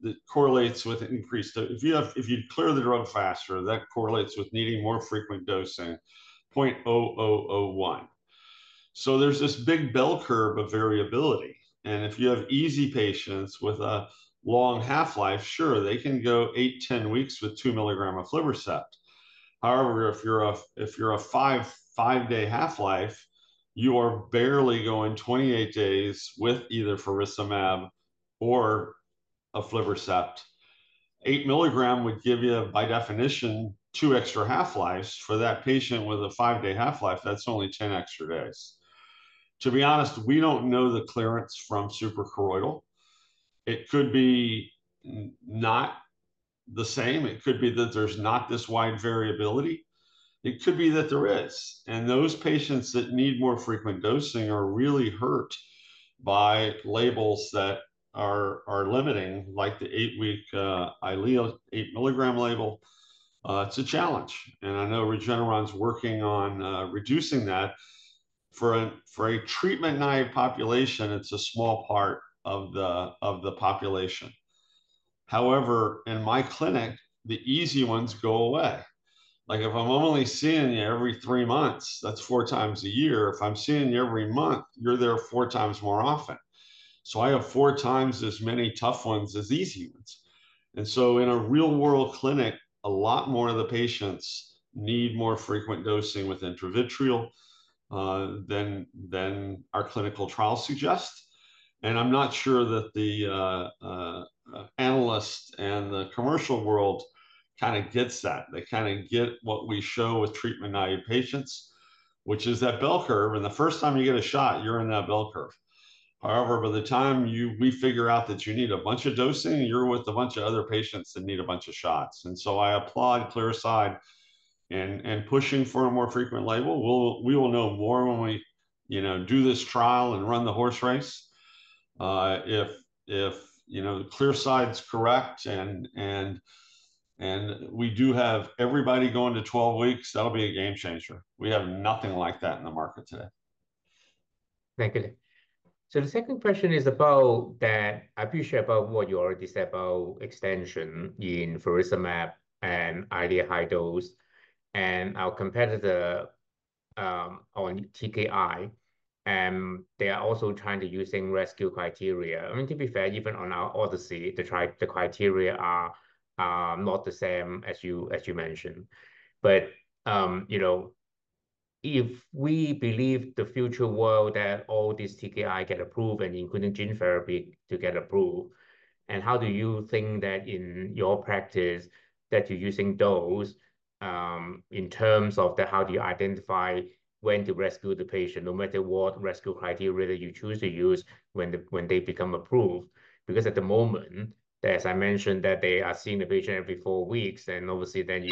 F: It correlates with increased—if you clear the drug faster, that correlates with needing more frequent dosing, 0.0001. So there's this big bell curve of variability, and if you have easy patients with a long half-life, sure, they can go eight, 10 weeks with 2 milligram of aflibercept. However, if you're a 5, 5-day half-life, you are barely going 28 days with either faricimab or aflibercept. 8 milligram would give you, by definition, 2 extra half-lives. For that patient with a 5-day half-life, that's only 10 extra days. To be honest, we don't know the clearance from suprachoroidal. It could be not the same. It could be that there's not this wide variability. It could be that there is, and those patients that need more frequent dosing are really hurt by labels that are limiting, like the 8-week Eylea 8 milligram label. It's a challenge, and I know Regeneron's working on reducing that. For a treatment-naïve population, it's a small part of the population. However, in my clinic, the easy ones go away. Like, if I'm only seeing you every three months, that's four times a year. If I'm seeing you every month, you're there four times more often. So I have four times as many tough ones as easy ones, and so in a real-world clinic, a lot more of the patients need more frequent dosing with intravitreal than our clinical trial suggests. And I'm not sure that the analyst and the commercial world kind of gets that. They kind of get what we show with treatment-naïve patients, which is that bell curve, and the first time you get a shot, you're in that bell curve. However, by the time we figure out that you need a bunch of dosing, you're with a bunch of other patients that need a bunch of shots. And so I applaud Clearside in pushing for a more frequent label. We will know more when we, you know, do this trial and run the horse race. If, you know, Clearside's correct, and we do have everybody going to 12 weeks, that'll be a game changer. We have nothing like that in the market today.
E: Thank you. So the second question is about that. I appreciate about what you already said about extension in faricimab and Eylea high dose, and our competitor, on TKI, they are also trying to using rescue criteria. I mean, to be fair, even on our ODYSSEY, the criteria are not the same as you, as you mentioned. But, you know, if we believe the future world that all these TKI get approved and including gene therapy to get approved, and how do you think that in your practice that you're using those, in terms of the how do you identify when to rescue the patient, no matter what rescue criteria that you choose to use when they become approved? Because at the moment, as I mentioned, that they are seeing the patient every four weeks, and obviously, then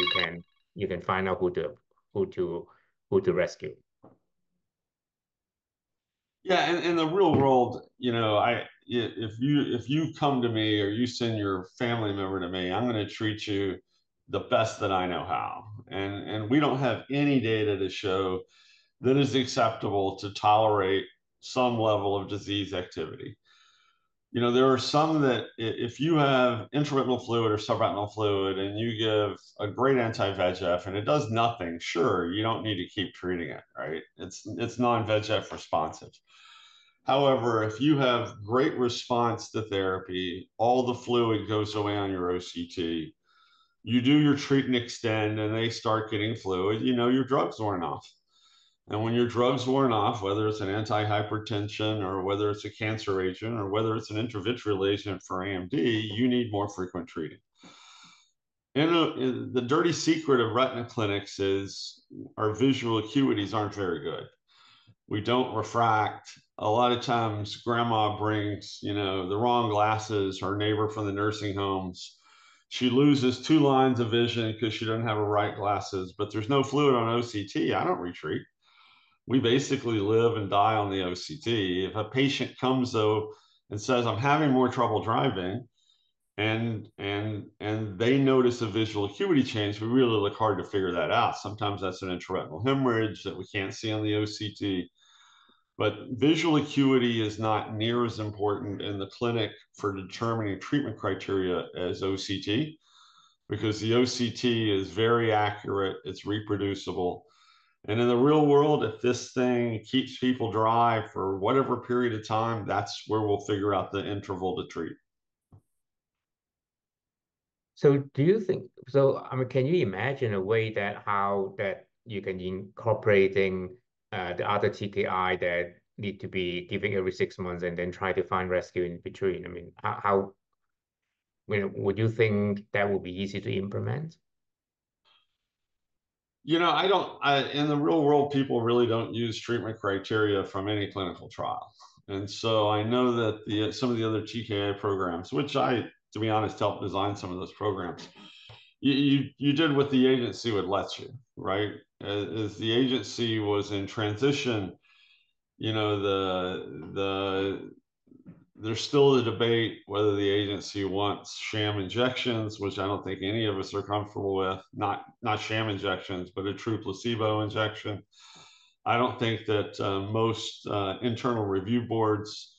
E: you can find out who to rescue.
F: Yeah, in the real world, you know, if you, if you come to me or you send your family member to me, I'm gonna treat you the best that I know how. And we don't have any data to show that it's acceptable to tolerate some level of disease activity. You know, there are some that if you have intraretinal fluid or subretinal fluid, and you give a great anti-VEGF, and it does nothing, sure, you don't need to keep treating it, right? It's non-VEGF responsive. However, if you have great response to therapy, all the fluid goes away on your OCT, you do your treat and extend, and they start getting fluid, you know your drug's worn off. And when your drug's worn off, whether it's an anti-hypertension or whether it's a cancer agent or whether it's an intravitreal agent for AMD, you need more frequent treating. And, the dirty secret of retina clinics is our visual acuities aren't very good. We don't refract. A lot of times, Grandma brings, you know, the wrong glasses, her neighbor from the nursing homes. She loses two lines of vision because she doesn't have her right glasses, but there's no fluid on OCT. I don't re-treat. We basically live and die on the OCT. If a patient comes, though, and says, "I'm having more trouble driving," and they notice a visual acuity change, we really look hard to figure that out. Sometimes that's an intraretinal hemorrhage that we can't see on the OCT. Visual acuity is not near as important in the clinic for determining treatment criteria as OCT because the OCT is very accurate, it's reproducible, and in the real world, if this thing keeps people dry for whatever period of time, that's where we'll figure out the interval to treat.
E: So do you think... So, I mean, can you imagine a way that how, that you can incorporating the other TKI that need to be giving every six months, and then try to find rescue in between? I mean, how, how... I mean, would you think that would be easy to implement? ...
F: you know, I don't, in the real world, people really don't use treatment criteria from any clinical trial. And so I know that the some of the other TKI programs, which I, to be honest, helped design some of those programs. You did what the agency would let you, right? As the agency was in transition, you know, there's still a debate whether the agency wants sham injections, which I don't think any of us are comfortable with. Not sham injections, but a true placebo injection. I don't think that most institutional review boards,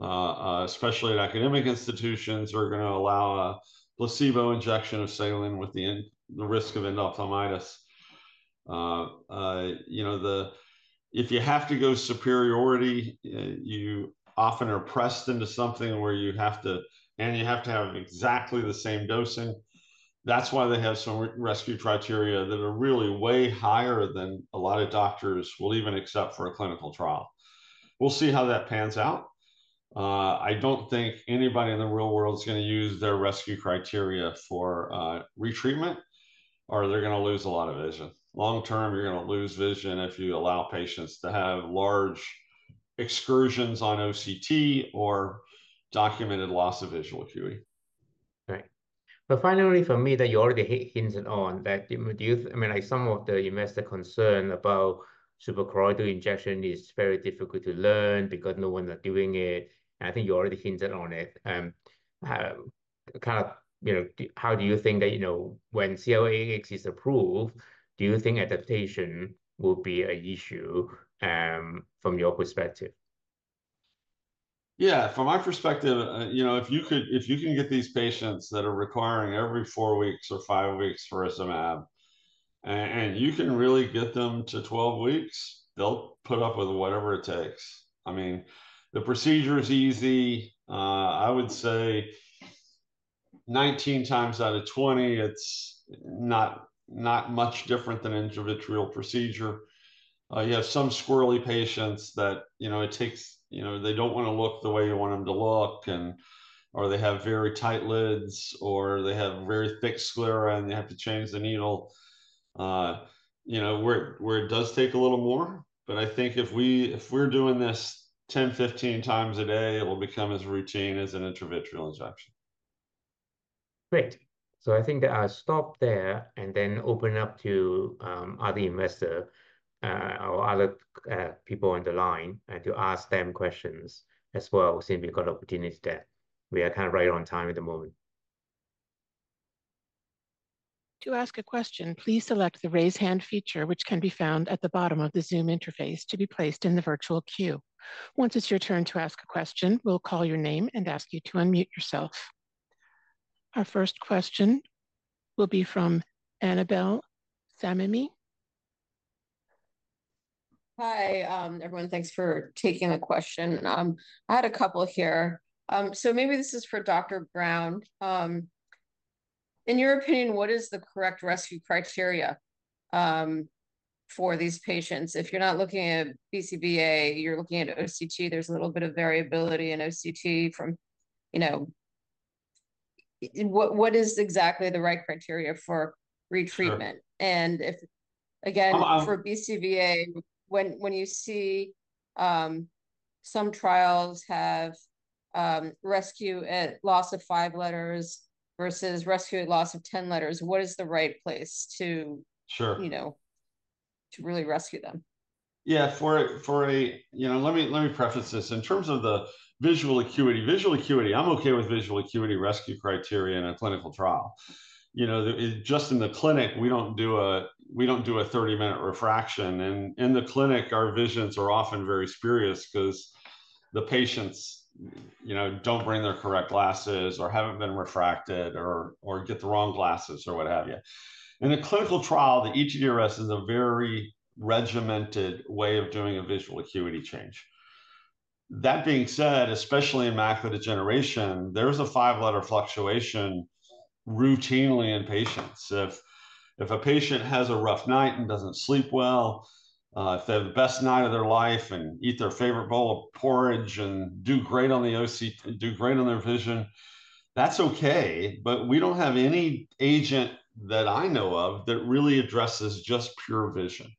F: especially at academic institutions, are gonna allow a placebo injection of saline with the risk of endophthalmitis. You know, if you have to go superiority, you often are pressed into something where you have to... And you have to have exactly the same dosing. That's why they have some rescue criteria that are really way higher than a lot of doctors will even accept for a clinical trial. We'll see how that pans out. I don't think anybody in the real world is gonna use their rescue criteria for retreatment, or they're gonna lose a lot of vision. Long term, you're gonna lose vision if you allow patients to have large excursions on OCT or documented loss of visual acuity.
E: Right. But finally, for me, that you already hinted on, do you... I mean, like some of the investor concern about suprachoroidal injection is very difficult to learn because no one are doing it, and I think you already hinted on it. Kind of, you know, how do you think that, you know, when CLS-AX is approved, do you think adaptation will be a issue, from your perspective? Yeah, from my perspective, you know, if you can get these patients that are requiring every four weeks or five weeks for aflibercept, and you can really get them to 12 weeks, they'll put up with whatever it takes. I mean, the procedure is easy. I would say 19 times out of 20, it's not much different than intravitreal procedure. You have some squirrely patients that, you know, it takes. You know, they don't wanna look the way you want them to look, and or they have very tight lids, or they have very thick sclera, and you have to change the needle. You know, where it does take a little more, but I think if we're doing this 10, 15 times a day, it will become as routine as an intravitreal injection.
F: Great. So I think that I'll stop there, and then open up to, other investor, or other, people on the line, and to ask them questions as well, seeing we've got an opportunity there. We are kind of right on time at the moment.
A: To ask a question, please select the Raise Hand feature, which can be found at the bottom of the Zoom interface, to be placed in the virtual queue. Once it's your turn to ask a question, we'll call your name and ask you to unmute yourself. Our first question will be from Annabel Samimy.
G: Hi, everyone. Thanks for taking the question. I had a couple here. So maybe this is for Dr. Brown. In your opinion, what is the correct rescue criteria for these patients? If you're not looking at BCVA, you're looking at OCT, there's a little bit of variability in OCT from, you know... What is exactly the right criteria for retreatment?
F: Sure.
G: If, again-
F: Um, um-...
G: for BCVA, when you see, some trials have, rescue at loss of five letters versus rescue at loss of 10 letters, what is the right place to-
F: Sure...
G: you know, to really rescue them?
F: Yeah. You know, let me preface this. In terms of the visual acuity, visual acuity, I'm okay with visual acuity rescue criteria in a clinical trial. You know, the, just in the clinic, we don't do a 30-minute refraction. And in the clinic, our visions are often very spurious 'cause the patients, you know, don't bring their correct glasses, or haven't been refracted, or get the wrong glasses, or what have you. In a clinical trial, the ETDRS is a very regimented way of doing a visual acuity change. That being said, especially in macular degeneration, there's a five-letter fluctuation routinely in patients. If a patient has a rough night and doesn't sleep well, if they have the best night of their life and eat their favorite bowl of porridge, and do great on the OCT, do great on their vision, that's okay, but we don't have any agent that I know of that really addresses just pure vision.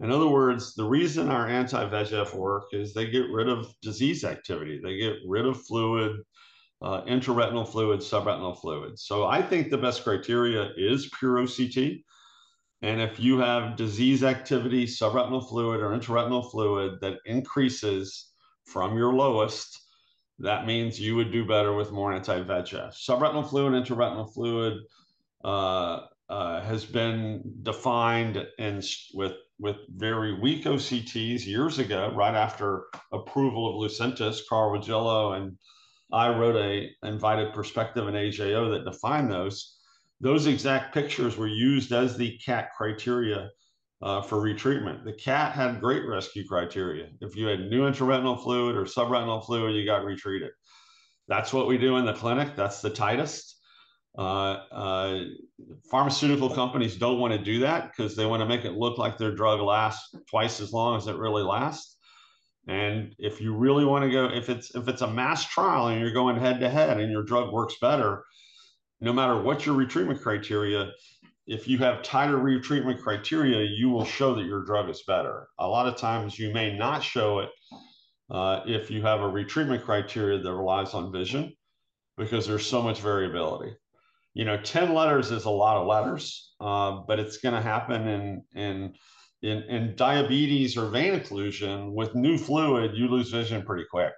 F: In other words, the reason our anti-VEGF work is they get rid of disease activity. They get rid of fluid, intraretinal fluid, subretinal fluid. So I think the best criteria is pure OCT, and if you have disease activity, subretinal fluid, or intraretinal fluid that increases from your lowest, that means you would do better with more anti-VEGF. Subretinal fluid and intraretinal fluid has been defined in studies with very weak OCTs years ago, right after approval of Lucentis. Carl Regillo and I wrote an invited perspective in AJO that defined those. Those exact pictures were used as the CATT criteria for retreatment. The CATT had great rescue criteria. If you had new intraretinal fluid or subretinal fluid, you got retreated. That's what we do in the clinic. That's the tightest. Pharmaceutical companies don't wanna do that 'cause they wanna make it look like their drug lasts twice as long as it really lasts... and if it's a mass trial, and you're going head-to-head, and your drug works better, no matter what your retreatment criteria, if you have tighter retreatment criteria, you will show that your drug is better. A lot of times you may not show it if you have a retreatment criteria that relies on vision, because there's so much variability. You know, 10 letters is a lot of letters, but it's gonna happen in diabetes or vein occlusion. With new fluid, you lose vision pretty quick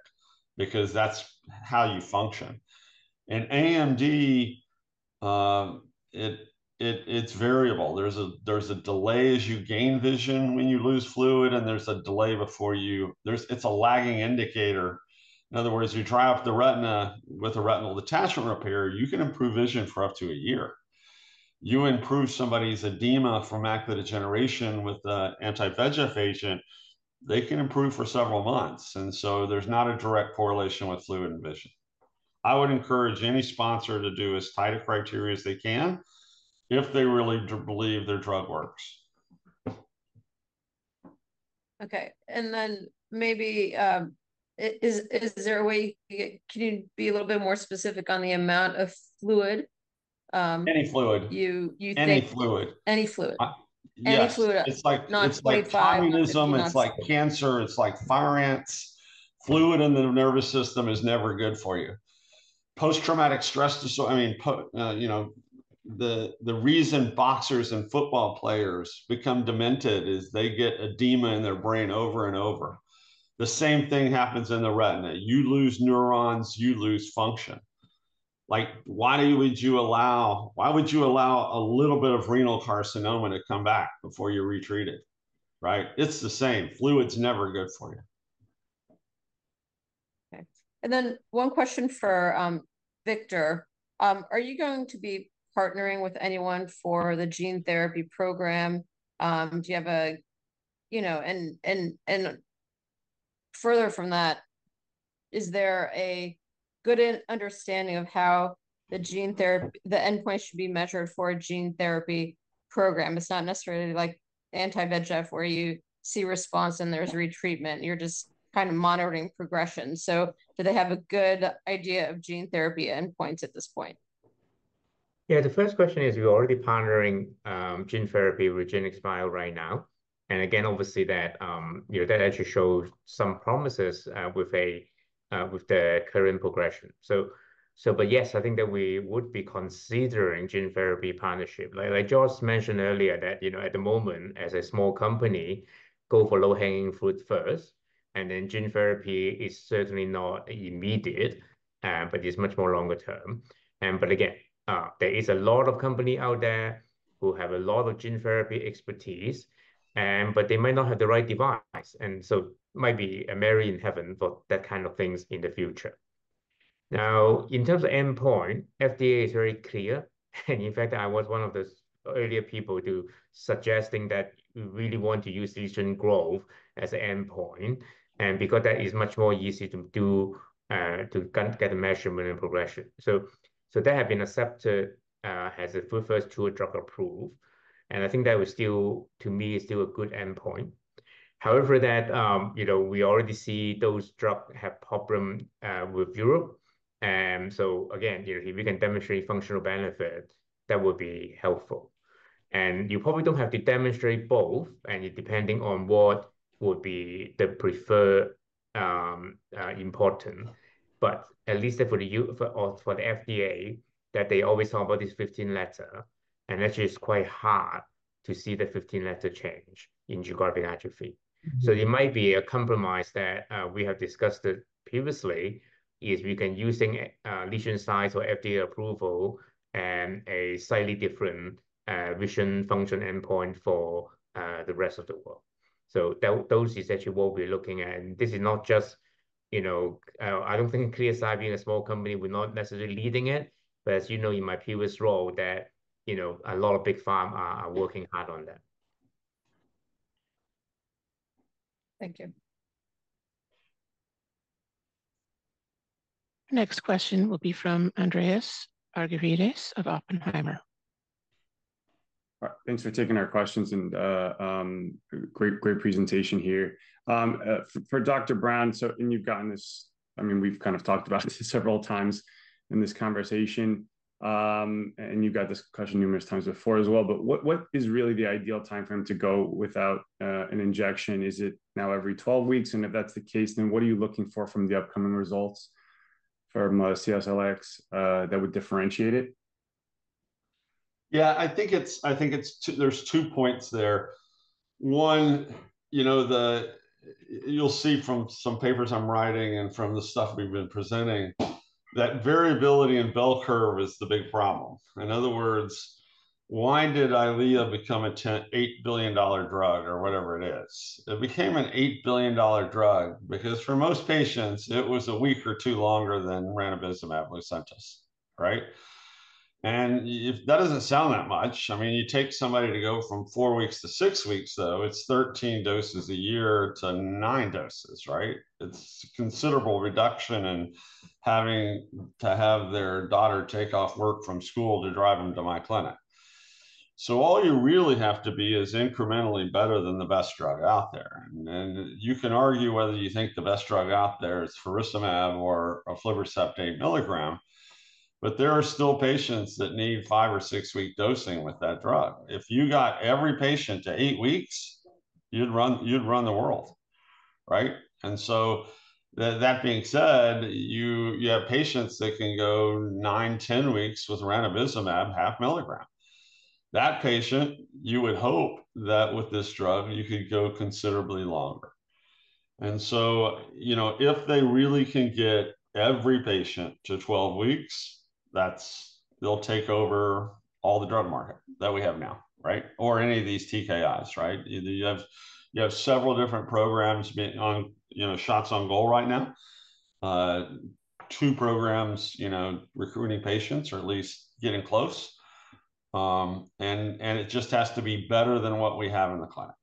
F: because that's how you function. In AMD, it's variable. There's a delay as you gain vision when you lose fluid, and there's a delay before you. It's a lagging indicator. In other words, you dry up the retina with a retinal detachment repair, you can improve vision for up to a year. You improve somebody's edema from macular degeneration with an anti-VEGF agent, they can improve for several months, and so there's not a direct correlation with fluid and vision. I would encourage any sponsor to do as tight a criteria as they can, if they really believe their drug works.
G: Okay, and then maybe, is there a way? Can you be a little bit more specific on the amount of fluid?
F: Any fluid.
G: You think-
F: Any fluid.
G: Any fluid?
F: I, yes.
G: Any fluid, not 25-
F: It's like, it's like communism.
G: Not-
F: It's like cancer. It's like fire ants. Fluid in the nervous system is never good for you. Post-traumatic stress disorder, I mean, the reason boxers and football players become demented is they get edema in their brain over and over. The same thing happens in the retina. You lose neurons, you lose function. Like, why would you allow a little bit of renal carcinoma to come back before you retreat it, right? It's the same. Fluid's never good for you.
G: Okay, and then one question for Victor. Are you going to be partnering with anyone for the gene therapy program? Do you have a... You know, and, and, and further from that, is there a good understanding of how the gene therapy the endpoint should be measured for a gene therapy program? It's not necessarily like anti-VEGF, where you see response, and there's retreatment. You're just kind of monitoring progression. So do they have a good idea of gene therapy endpoints at this point?
E: Yeah, the first question is, we're already partnering gene therapy with Regenxbio right now. And again, obviously that, you know, that actually showed some promises with the current progression. So but yes, I think that we would be considering gene therapy partnership. Like George mentioned earlier, that, you know, at the moment, as a small company, go for low-hanging fruit first, and then gene therapy is certainly not immediate, but it's much more longer term. But again, there is a lot of company out there who have a lot of gene therapy expertise, but they might not have the right device, and so might be a match made in heaven for that kind of things in the future. Now, in terms of endpoint, FDA is very clear, and in fact, I was one of the earlier people to suggesting that we really want to use lesion growth as the endpoint, and because that is much more easier to do, to get a measurement and progression. So that have been accepted, as the first two drug approved, and I think that was still, to me, is still a good endpoint. However, that, you know, we already see those drug have problem, with Europe. So again, you know, if we can demonstrate functional benefit, that would be helpful. And you probably don't have to demonstrate both, and it depending on what would be the preferred, important. But at least for the FDA, that they always talk about this 15-letter, and actually it's quite hard to see the 15-letter change in geographic atrophy.
G: Mm-hmm.
E: So it might be a compromise that we have discussed it previously, is we can using a lesion size for FDA approval, a slightly different vision function endpoint for the rest of the world. So those is actually what we're looking at, and this is not just, you know, I don't think Clearside being a small company, we're not necessarily leading it, but as you know, in my previous role, that, you know, a lot of big pharma are working hard on that.
G: Thank you.
A: Next question will be from Andreas Argyrides of Oppenheimer.
H: Thanks for taking our questions, and great, great presentation here. For Dr. Brown, and you've gotten this, I mean, we've kind of talked about this several times in this conversation. And you've got this question numerous times before as well, but what, what is really the ideal timeframe to go without an injection? Is it now every 12 weeks? And if that's the case, then what are you looking for from the upcoming results from CLS-AX that would differentiate it?
F: Yeah, I think it's, I think it's two—there's two points there. One, you know, the... You'll see from some papers I'm writing and from the stuff we've been presenting, that variability in bell curve is the big problem. In other words, why did Eylea become an $8 billion drug or whatever it is? It became an $8 billion drug because for most patients, it was a week or two longer than ranibizumab Lucentis, right? And if—that doesn't sound that much. I mean, you take somebody to go from four weeks to six weeks, though, it's 13 doses a year to nine doses, right? It's considerable reduction in having to have their daughter take off work from school to drive them to my clinic. So all you really have to be is incrementally better than the best drug out there, and, and you can argue whether you think the best drug out there is faricimab or aflibercept 8 milligram, but there are still patients that need 5- or 6-week dosing with that drug. If you got every patient to 8 weeks, you'd run, you'd run the world, right? And so the- that being said, you, you have patients that can go 9, 10 weeks with ranibizumab half milligram. That patient, you would hope that with this drug, you could go considerably longer. And so, you know, if they really can get every patient to 12 weeks, that's- they'll take over all the drug market that we have now, right? Or any of these TKIs, right? You, you have, you have several different programs being on, you know, shots on goal right now. Two programs, you know, recruiting patients or at least getting close. And it just has to be better than what we have in the clinic.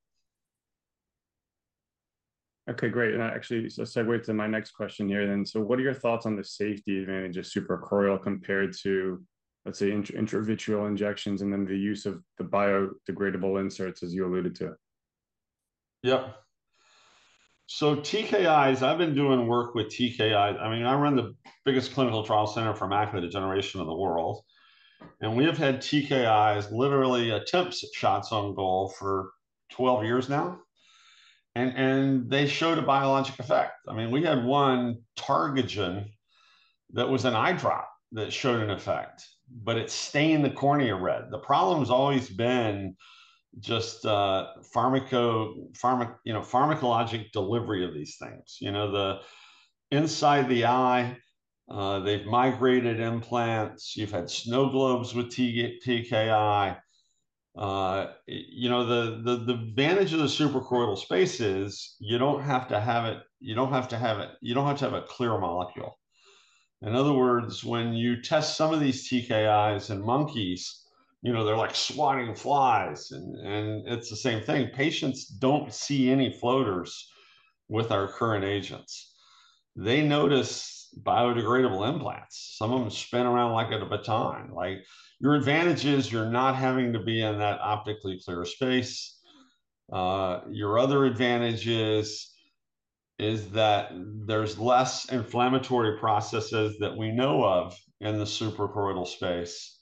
H: Okay, great, and that actually is a segue to my next question here then. So what are your thoughts on the safety advantages of suprachoroidal compared to, let's say, intravitreal injections, and then the use of the biodegradable inserts, as you alluded to?
F: Yeah. So TKIs, I've been doing work with TKIs. I mean, I run the biggest clinical trial center for macular degeneration in the world, and we have had TKIs literally attempts at shots on goal for 12 years now, and they showed a biologic effect. I mean, we had one, TargeGen, that was an eye drop that showed an effect, but it stained the cornea red. The problem's always been just, pharmacologic delivery of these things. You know, the inside the eye, they've migrated implants. You've had snow globes with TKI. You know, the advantage of the suprachoroidal space is you don't have to have it, you don't have to have it, you don't have to have a clear molecule. In other words, when you test some of these TKIs in monkeys, you know, they're like swatting flies, and it's the same thing. Patients don't see any floaters with our current agents. They notice biodegradable implants. Some of them spin around like a baton. Like, your advantage is you're not having to be in that optically clear space. Your other advantage is that there's less inflammatory processes that we know of in the suprachoroidal space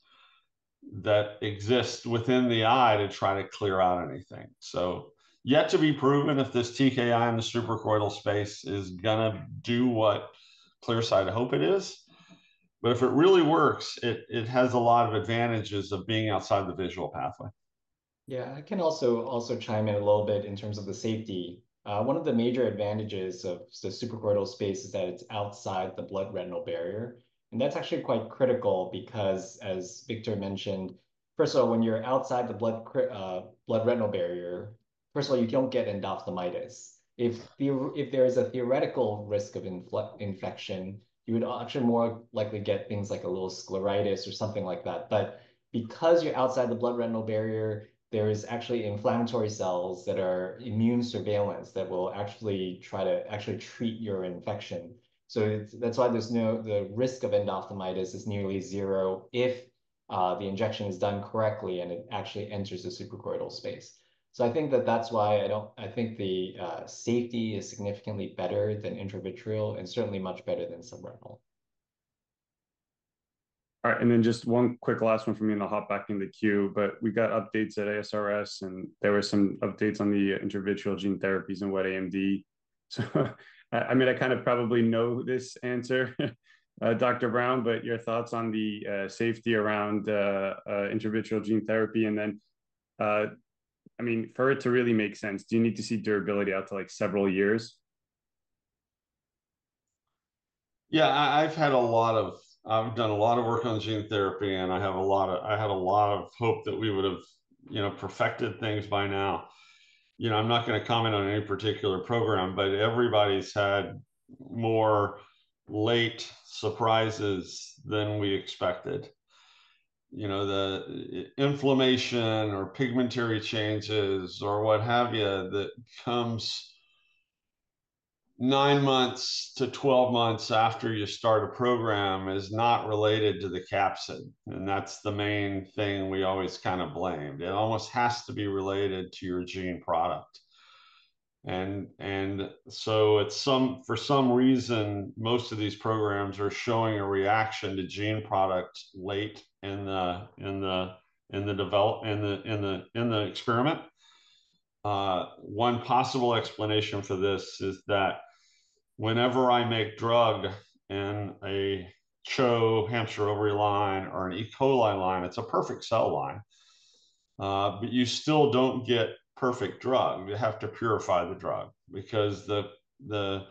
F: that exist within the eye to try to clear out anything. So yet to be proven if this TKI in the suprachoroidal space is gonna do what Clearside hopes it is, but if it really works, it has a lot of advantages of being outside the visual pathway.
D: Yeah, I can also, also chime in a little bit in terms of the safety. One of the major advantages of the suprachoroidal space is that it's outside the blood-retinal barrier, and that's actually quite critical because, as Victor mentioned, first of all, when you're outside the blood-retinal barrier, first of all, you don't get endophthalmitis. If there is a theoretical risk of infection, you would actually more likely get things like a little scleritis or something like that. But because you're outside the blood-retinal barrier, there is actually inflammatory cells that are immune surveillance that will actually try to actually treat your infection. So that's why the risk of endophthalmitis is nearly zero if the injection is done correctly, and it actually enters the suprachoroidal space. So I think that that's why I think the safety is significantly better than intravitreal and certainly much better than subretinal.
H: All right, and then just one quick last one from me, and I'll hop back in the queue, but we got updates at ASRS, and there were some updates on the intravitreal gene therapies in wet AMD. So I mean, I kind of probably know this answer, Dr. Brown, but your thoughts on the intravitreal gene therapy, and then, I mean, for it to really make sense, do you need to see durability out to, like, several years?
F: Yeah, I've had a lot of—I've done a lot of work on gene therapy, and I had a lot of hope that we would've, you know, perfected things by now. You know, I'm not gonna comment on any particular program, but everybody's had more late surprises than we expected. You know, the inflammation or pigmentary changes or what have you that comes nine months to 12 months after you start a program is not related to the capsid, and that's the main thing we always kind of blamed. It almost has to be related to your gene product. And so for some reason, most of these programs are showing a reaction to gene product late in the development in the experiment. One possible explanation for this is that whenever I make drug in a CHO hamster ovary line or an E. coli line, it's a perfect cell line. But you still don't get perfect drug. You have to purify the drug because the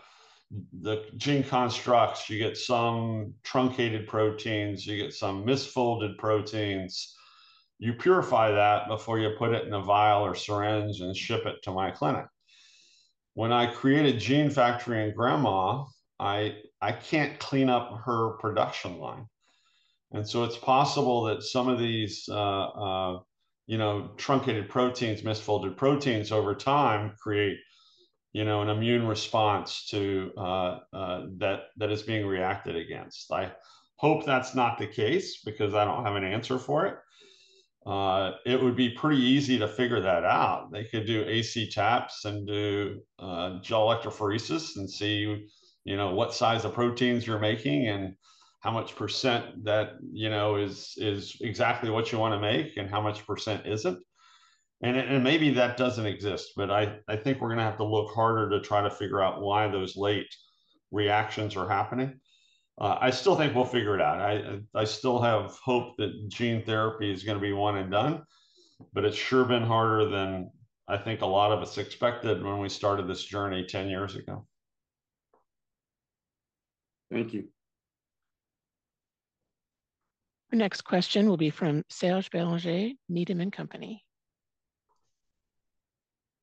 F: gene constructs, you get some truncated proteins, you get some misfolded proteins. You purify that before you put it in a vial or syringe and ship it to my clinic. When I create a gene factory in grandma, I can't clean up her production line, and so it's possible that some of these, you know, truncated proteins, misfolded proteins, over time create you know, an immune response to, that, that is being reacted against. I hope that's not the case, because I don't have an answer for it. It would be pretty easy to figure that out. They could do AC taps and do gel electrophoresis, and see, you know, what size of proteins you're making, and how much % that, you know, is, is exactly what you wanna make, and how much % isn't. And maybe that doesn't exist, but I think we're gonna have to look harder to try to figure out why those late reactions are happening. I still think we'll figure it out, and I still have hope that gene therapy is gonna be one and done, but it's sure been harder than I think a lot of us expected when we started this journey 10 years ago.
H: Thank you.
A: The next question will be from Serge Belanger, Needham & Company.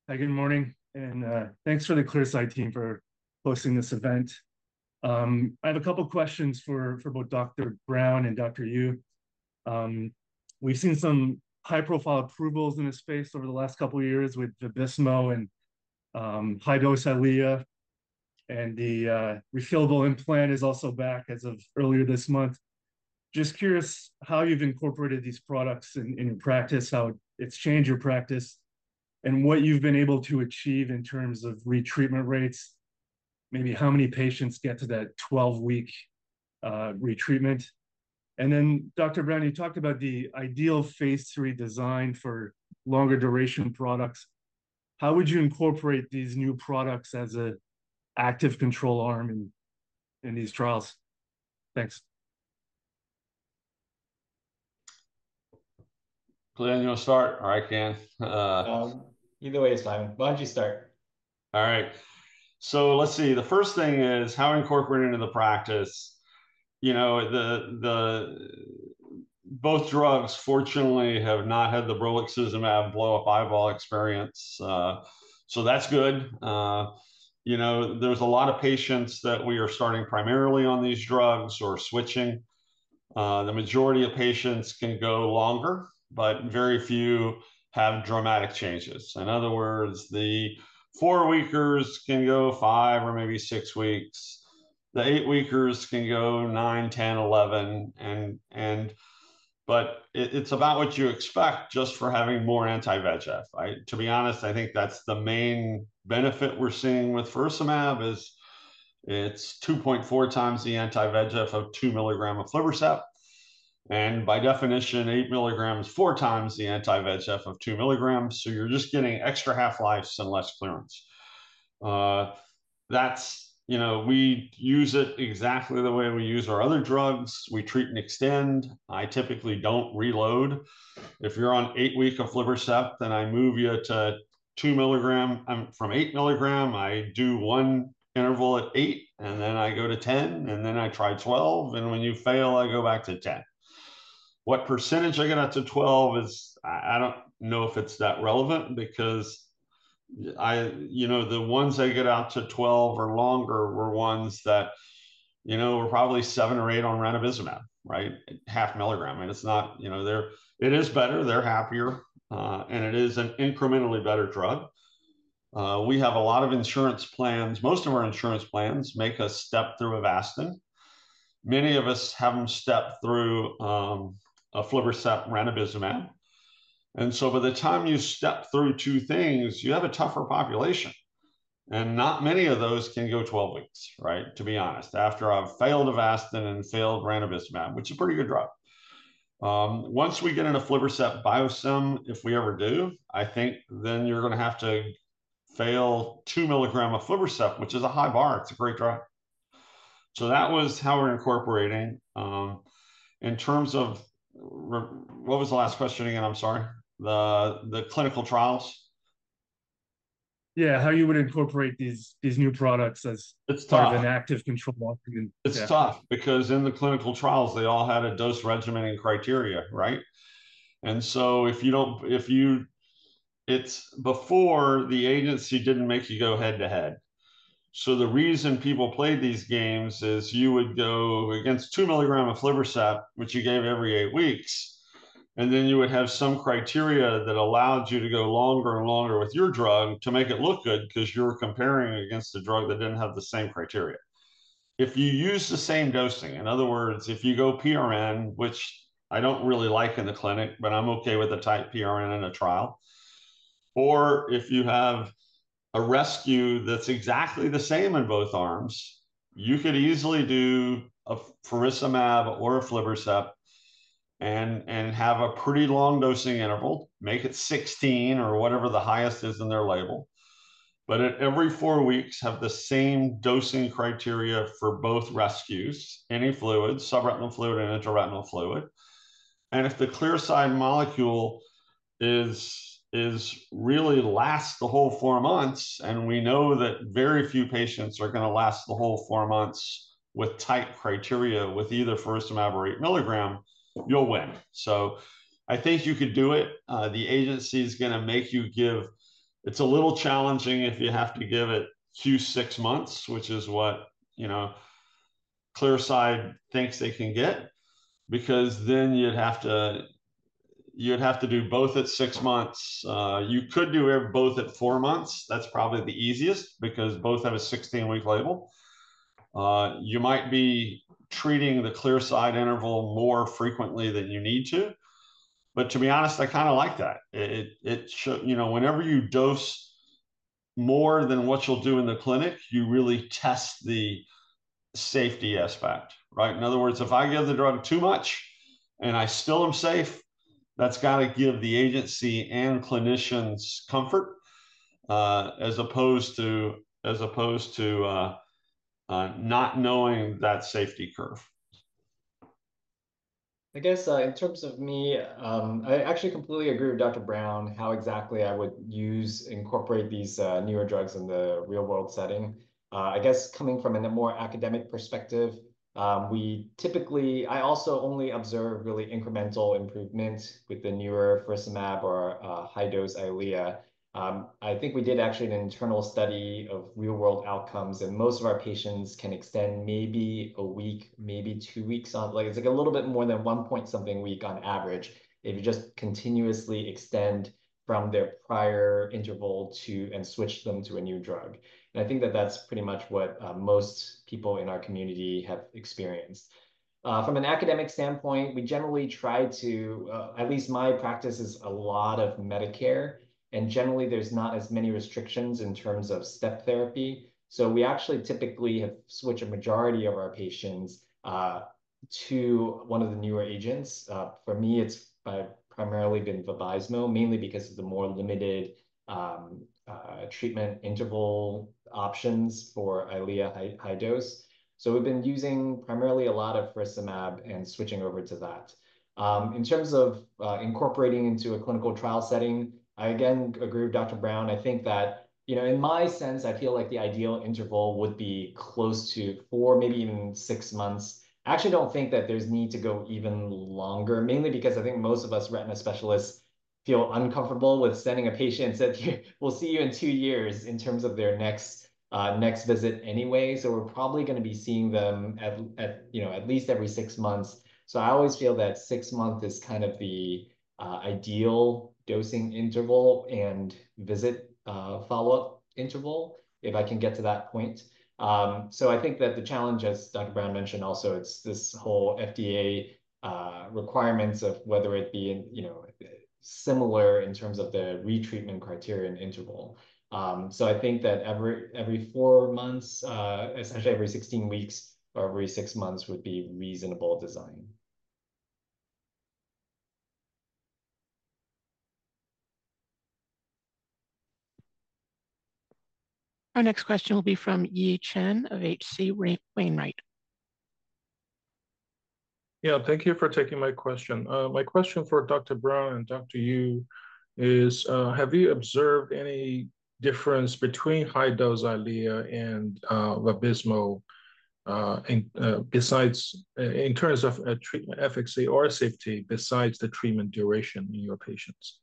I: Hi, good morning, and thanks for the Clearside team for hosting this event. I have a couple questions for both Dr. Brown and Dr. Yiu. We've seen some high-profile approvals in this space over the last couple of years with Vabysmo and Eylea HD, and the refillable implant is also back as of earlier this month. Just curious how you've incorporated these products in your practice, how it's changed your practice, and what you've been able to achieve in terms of retreatment rates. Maybe how many patients get to that 12-week retreatment? And then Dr. Brown, you talked about the ideal phase III design for longer duration products. How would you incorporate these new products as an active control arm in these trials? Thanks.
F: Glenn, you want to start, or I can?
D: Either way is fine. Why don't you start?
F: All right. So let's see, the first thing is how to incorporate it into the practice. You know, both drugs fortunately have not had the brolucizumab blow-up eyeball experience, so that's good. You know, there's a lot of patients that we are starting primarily on these drugs or switching. The majority of patients can go longer, but very few have dramatic changes. In other words, the 4-weekers can go five or maybe six weeks. The eight-weekers can go 9, 10, 11, and... But it, it's about what you expect just for having more anti-VEGF. I-- To be honest, I think that's the main benefit we're seeing with faricimab, is it's 2.4 times the anti-VEGF of 2 milligram of aflibercept, and by definition, 8 milligrams, 4 times the anti-VEGF of 2 milligrams, so you're just getting extra half-lives and less clearance. That's you know, we use it exactly the way we use our other drugs. We treat and extend. I typically don't reload. If you're on 8-week of Aflibercept, then I move you to 2 milligram from 8 milligram, I do one interval at 8, and then I go to 10, and then I try 12, and when you fail, I go back to 10. What percentage I get out to 12 is I don't know if it's that relevant because you know, the ones that get out to 12 or longer were ones that you know, were probably seven or eight on Ranibizumab, right? 0.5 milligram, and it's not you know, they're it is better, they're happier, and it is an incrementally better drug. We have a lot of insurance plans. Most of our insurance plans make us step through Avastin. Many of us have them step through aflibercept ranibizumab. And so by the time you step through two things, you have a tougher population, and not many of those can go 12 weeks, right, to be honest. After I've failed Avastin and failed ranibizumab, which is a pretty good drug. Once we get into aflibercept biosim, if we ever do, I think then you're gonna have to fail 2 milligram aflibercept, which is a high bar. It's a great drug. So that was how we're incorporating. In terms of what was the last question again? I'm sorry. The clinical trials?
I: Yeah, how you would incorporate these new products as-
F: It's tough
I: part of an active control arm and yeah.
F: It's tough because in the clinical trials, they all had a dose regimen and criteria, right? And so if you don't. It's. Before, the agency didn't make you go head-to-head. So the reason people played these games is, you would go against 2 milligrams of aflibercept, which you gave every 8 weeks, and then you would have some criteria that allowed you to go longer and longer with your drug to make it look good, 'cause you're comparing against a drug that didn't have the same criteria. If you use the same dosing, in other words, if you go PRN, which I don't really like in the clinic, but I'm okay with a tight PRN in a trial, or if you have a rescue that's exactly the same in both arms, you could easily do a faricimab or aflibercept and, and have a pretty long dosing interval, make it 16 or whatever the highest is in their label. But at every four weeks, have the same dosing criteria for both rescues, any fluid, subretinal fluid and intraretinal fluid. And if the Clearside molecule is really lasts the whole four months, and we know that very few patients are gonna last the whole four months with tight criteria with either faricimab or 8 mg, you'll win. So I think you could do it. The agency's gonna make you give... It's a little challenging if you have to give it two, six months, which is what, you know, Clearside thinks they can get, because then you'd have to do both at six months. You could do both at four months. That's probably the easiest, because both have a 16-week label. You might be treating the Clearside interval more frequently than you need to, but to be honest, I kinda like that. It you know, whenever you dose more than what you'll do in the clinic, you really test the safety aspect, right? In other words, if I give the drug too much, and I still am safe, that's gotta give the agency and clinicians comfort, as opposed to not knowing that safety curve.
D: I guess, in terms of me, I actually completely agree with Dr. Brown, how exactly I would use, incorporate these, newer drugs in the real-world setting. I guess coming from a more academic perspective, we typically I also only observe really incremental improvement with the newer faricimab or, high-dose Eylea. I think we did actually an internal study of real-world outcomes, and most of our patients can extend maybe a week, maybe 2 weeks on. Like, it's, like, a little bit more than 1-point-something week on average if you just continuously extend from their prior interval to and switch them to a new drug. And I think that that's pretty much what, most people in our community have experienced. From an academic standpoint, we generally try to. At least my practice is a lot of Medicare, and generally, there's not as many restrictions in terms of step therapy, so we actually typically have switched a majority of our patients to one of the newer agents. For me, it's primarily been Vabysmo, mainly because of the more limited treatment interval options for Eylea HD. So we've been using primarily a lot of faricimab and switching over to that. In terms of incorporating into a clinical trial setting, I again agree with Dr. Brown. I think that, you know, in my sense, I feel like the ideal interval would be close to four, maybe even six months. I actually don't think that there's need to go even longer, mainly because I think most of us retina specialists feel uncomfortable with sending a patient and said, "We'll see you in two years," in terms of their next visit anyway, so we're probably gonna be seeing them at, you know, at least every six months. So I always feel that six-month is kind of the ideal dosing interval and visit follow-up interval, if I can get to that point. So I think that the challenge, as Dr. Brown mentioned also, it's this whole FDA requirements of whether it be, you know, similar in terms of the retreatment criterion interval. So I think that every four months, essentially every 16 weeks or every six months would be reasonable design.
A: Our next question will be from Yi Chen of H.C. Wainwright.
J: Yeah, thank you for taking my question. My question for Dr. Brown and Dr. Yiu is: have you observed any difference between Eylea HD and Vabysmo, in terms of treatment efficacy or safety, besides the treatment duration in your patients?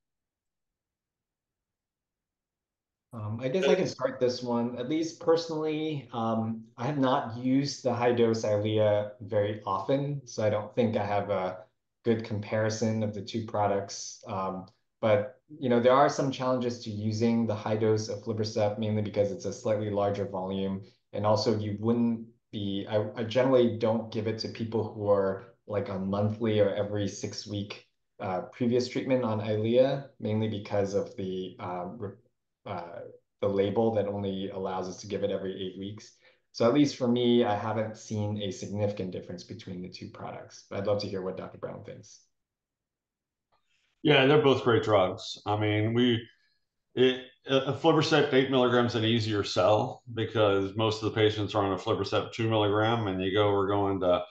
D: I guess I can start this one. At least personally, I have not used the high-dose Eylea very often, so I don't think I have a good comparison of the two products. But, you know, there are some challenges to using the high dose of aflibercept, mainly because it's a slightly larger volume. And also, you wouldn't be... I, I generally don't give it to people who are, like, on monthly or every six-week previous treatment on Eylea, mainly because of the label that only allows us to give it every eight weeks. So at least for me, I haven't seen a significant difference between the two products, but I'd love to hear what Dr. Brown thinks.
F: Yeah, they're both great drugs. I mean, we, it, aflibercept 8 milligrams is an easier sell because most of the patients are on aflibercept 2 milligram, and you go, "We're going to,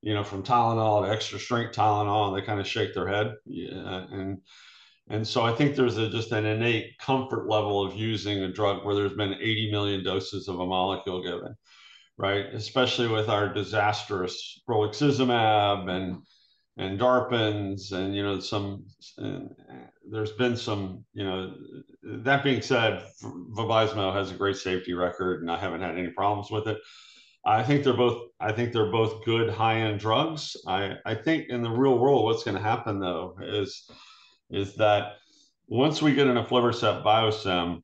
F: you know, from Tylenol to extra strength Tylenol," and they kinda shake their head. And so I think there's just an innate comfort level of using a drug where there's been 80 million doses of a molecule given, right? Especially with our disastrous ranibizumab and DARPins and, you know, some... There's been some, you know-- That being said, Vabysmo has a great safety record, and I haven't had any problems with it. I think they're both, I think they're both good, high-end drugs. I think in the real world, what's gonna happen, though, is that once we get a Aflibercept biosim,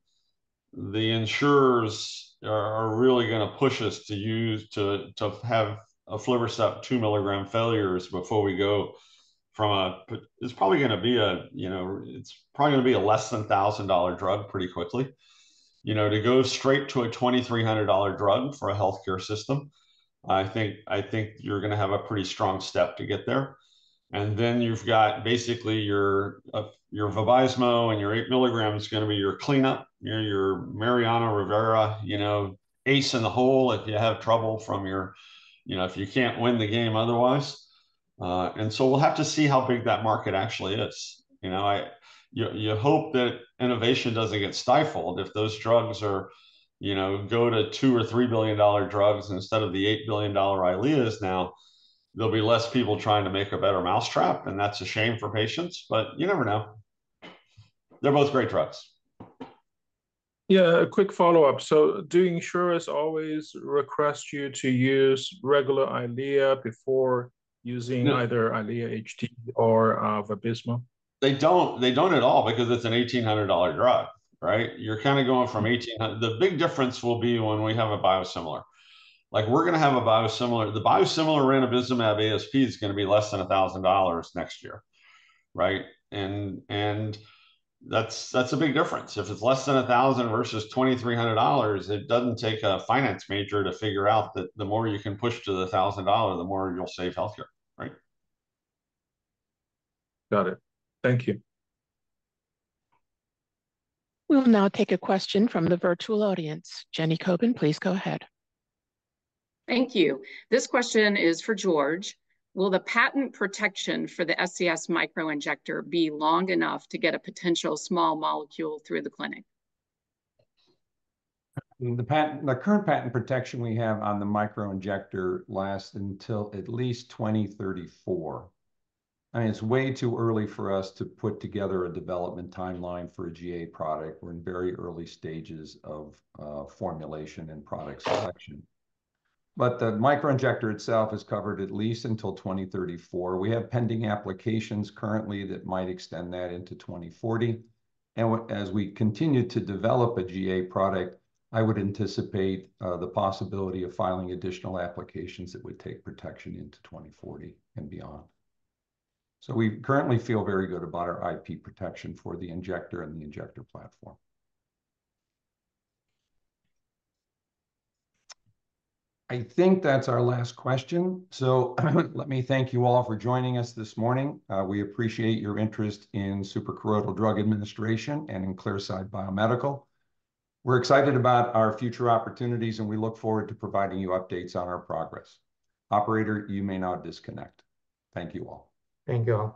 F: the insurers are really gonna push us to use to have a Aflibercept 2-milligram failures before we go from a- It's probably gonna be a, you know- it's probably gonna be a less than $1,000 drug pretty quickly. You know, to go straight to a $2,300 drug for a healthcare system, I think, I think you're gonna have a pretty strong step to get there. And then you've got basically your, your Vabysmo and your 8 milligram is gonna be your cleanup, your, your Mariano Rivera, you know, ace in the hole if you have trouble from your... You know, if you can't win the game otherwise. And so we'll have to see how big that market actually is. You know, you hope that innovation doesn't get stifled. If those drugs are, you know, go to $2 billion-$3 billion drugs instead of the $8 billion Eylea is now, there'll be less people trying to make a better mousetrap, and that's a shame for patients, but you never know. They're both great drugs....
J: Yeah, a quick follow-up. So do insurers always request you to use regular Eylea before using either Eylea HD or, Vabysmo?
F: They don't, they don't at all because it's a $1,800 drug, right? You're kind of going from 1,800- the big difference will be when we have a biosimilar. Like, we're gonna have a biosimilar. The biosimilar ranibizumab ASP is gonna be less than $1,000 next year, right? And, and that's, that's a big difference. If it's less than 1,000 versus $2,300, it doesn't take a finance major to figure out that the more you can push to the $1,000, the more you'll save healthcare, right?
J: Got it. Thank you.
A: We'll now take a question from the virtual audience. Jenny Coben, please go ahead.
B: Thank you. This question is for George. Will the patent protection for the SCS Microinjector be long enough to get a potential small molecule through the clinic?
C: The current patent protection we have on the microinjector lasts until at least 2034. I mean, it's way too early for us to put together a development timeline for a GA product. We're in very early stages of formulation and product selection. But the microinjector itself is covered at least until 2034. We have pending applications currently that might extend that into 2040, and as we continue to develop a GA product, I would anticipate the possibility of filing additional applications that would take protection into 2040 and beyond. So we currently feel very good about our IP protection for the injector and the injector platform. I think that's our last question, so let me thank you all for joining us this morning. We appreciate your interest in suprachoroidal drug administration and in Clearside Biomedical. We're excited about our future opportunities, and we look forward to providing you updates on our progress. Operator, you may now disconnect. Thank you, all.
A: Thank you all.